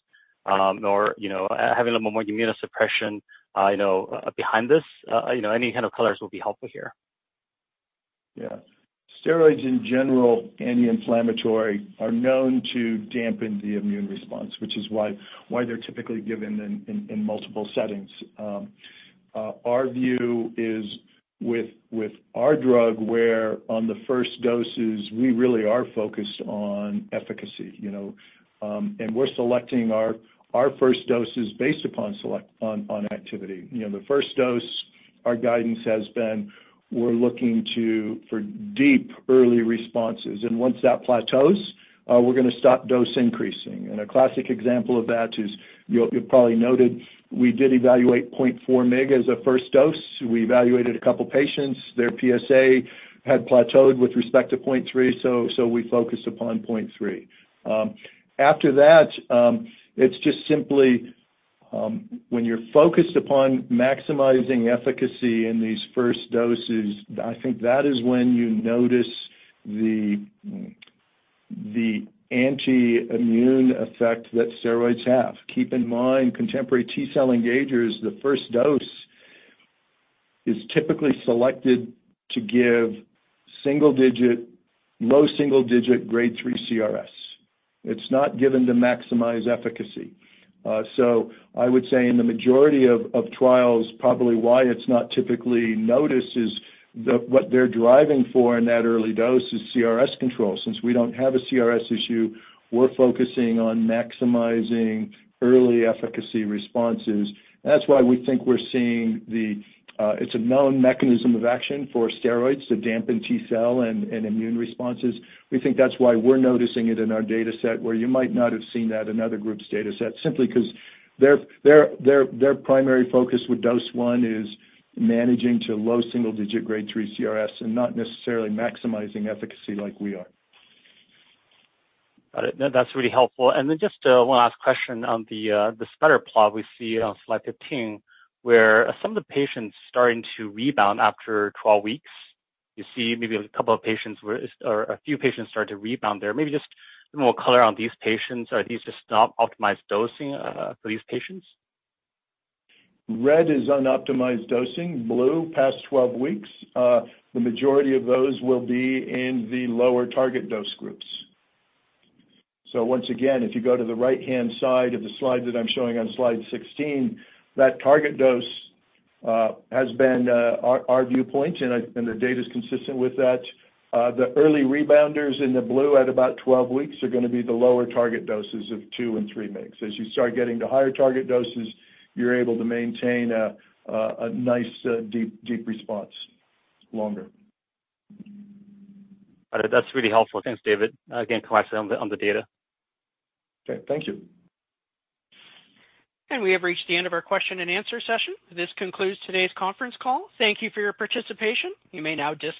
or having a little bit more immunosuppression behind this? Any kind of colors will be helpful here.
Yeah. Steroids in general, anti-inflammatory, are known to dampen the immune response, which is why they're typically given in multiple settings. Our view is with our drug, where on the first doses, we really are focused on efficacy, and we're selecting our first doses based upon activity. The first dose, our guidance has been, we're looking for deep early responses, and once that plateaus, we're going to stop dose increasing, and a classic example of that is, you've probably noted, we did evaluate 0.4 mg as a first dose. We evaluated a couple of patients. Their PSA had plateaued with respect to 0.3 mg, so we focused upon 0.3 mg. After that, it's just simply when you're focused upon maximizing efficacy in these first doses, I think that is when you notice the anti-immune effect that steroids have. Keep in mind, contemporary T-cell engagers, the first dose is typically selected to give single-digit, low single-digit grade 3 CRS. It's not given to maximize efficacy. So I would say in the majority of trials, probably why it's not typically noticed is what they're driving for in that early dose is CRS control. Since we don't have a CRS issue, we're focusing on maximizing early efficacy responses. That's why we think we're seeing it. It's a known mechanism of action for steroids to dampen T-cell and immune responses. We think that's why we're noticing it in our dataset, where you might not have seen that in other groups' dataset, simply because their primary focus with dose one is managing to low single-digit grade 3 CRS and not necessarily maximizing efficacy like we are.
Got it. That's really helpful. And then just one last question on the spider plot we see on slide 15, where some of the patients starting to rebound after 12 weeks. You see maybe a couple of patients or a few patients start to rebound there. Maybe just a little more color on these patients. Are these just not optimized dosing for these patients?
Red is unoptimized dosing. Blue, past 12 weeks. The majority of those will be in the lower target dose groups. So once again, if you go to the right-hand side of the slide that I'm showing on slide 16, that target dose has been our viewpoint, and the data is consistent with that. The early rebounders in the blue at about 12 weeks are going to be the lower target doses of 2 and 3 mgs. As you start getting to higher target doses, you're able to maintain a nice deep response longer.
Got it. That's really helpful. Thanks, David. Again, congrats on the data.
Okay. Thank you.
And we have reached the end of our question and answer session. This concludes today's conference call. Thank you for your participation. You may now disconnect.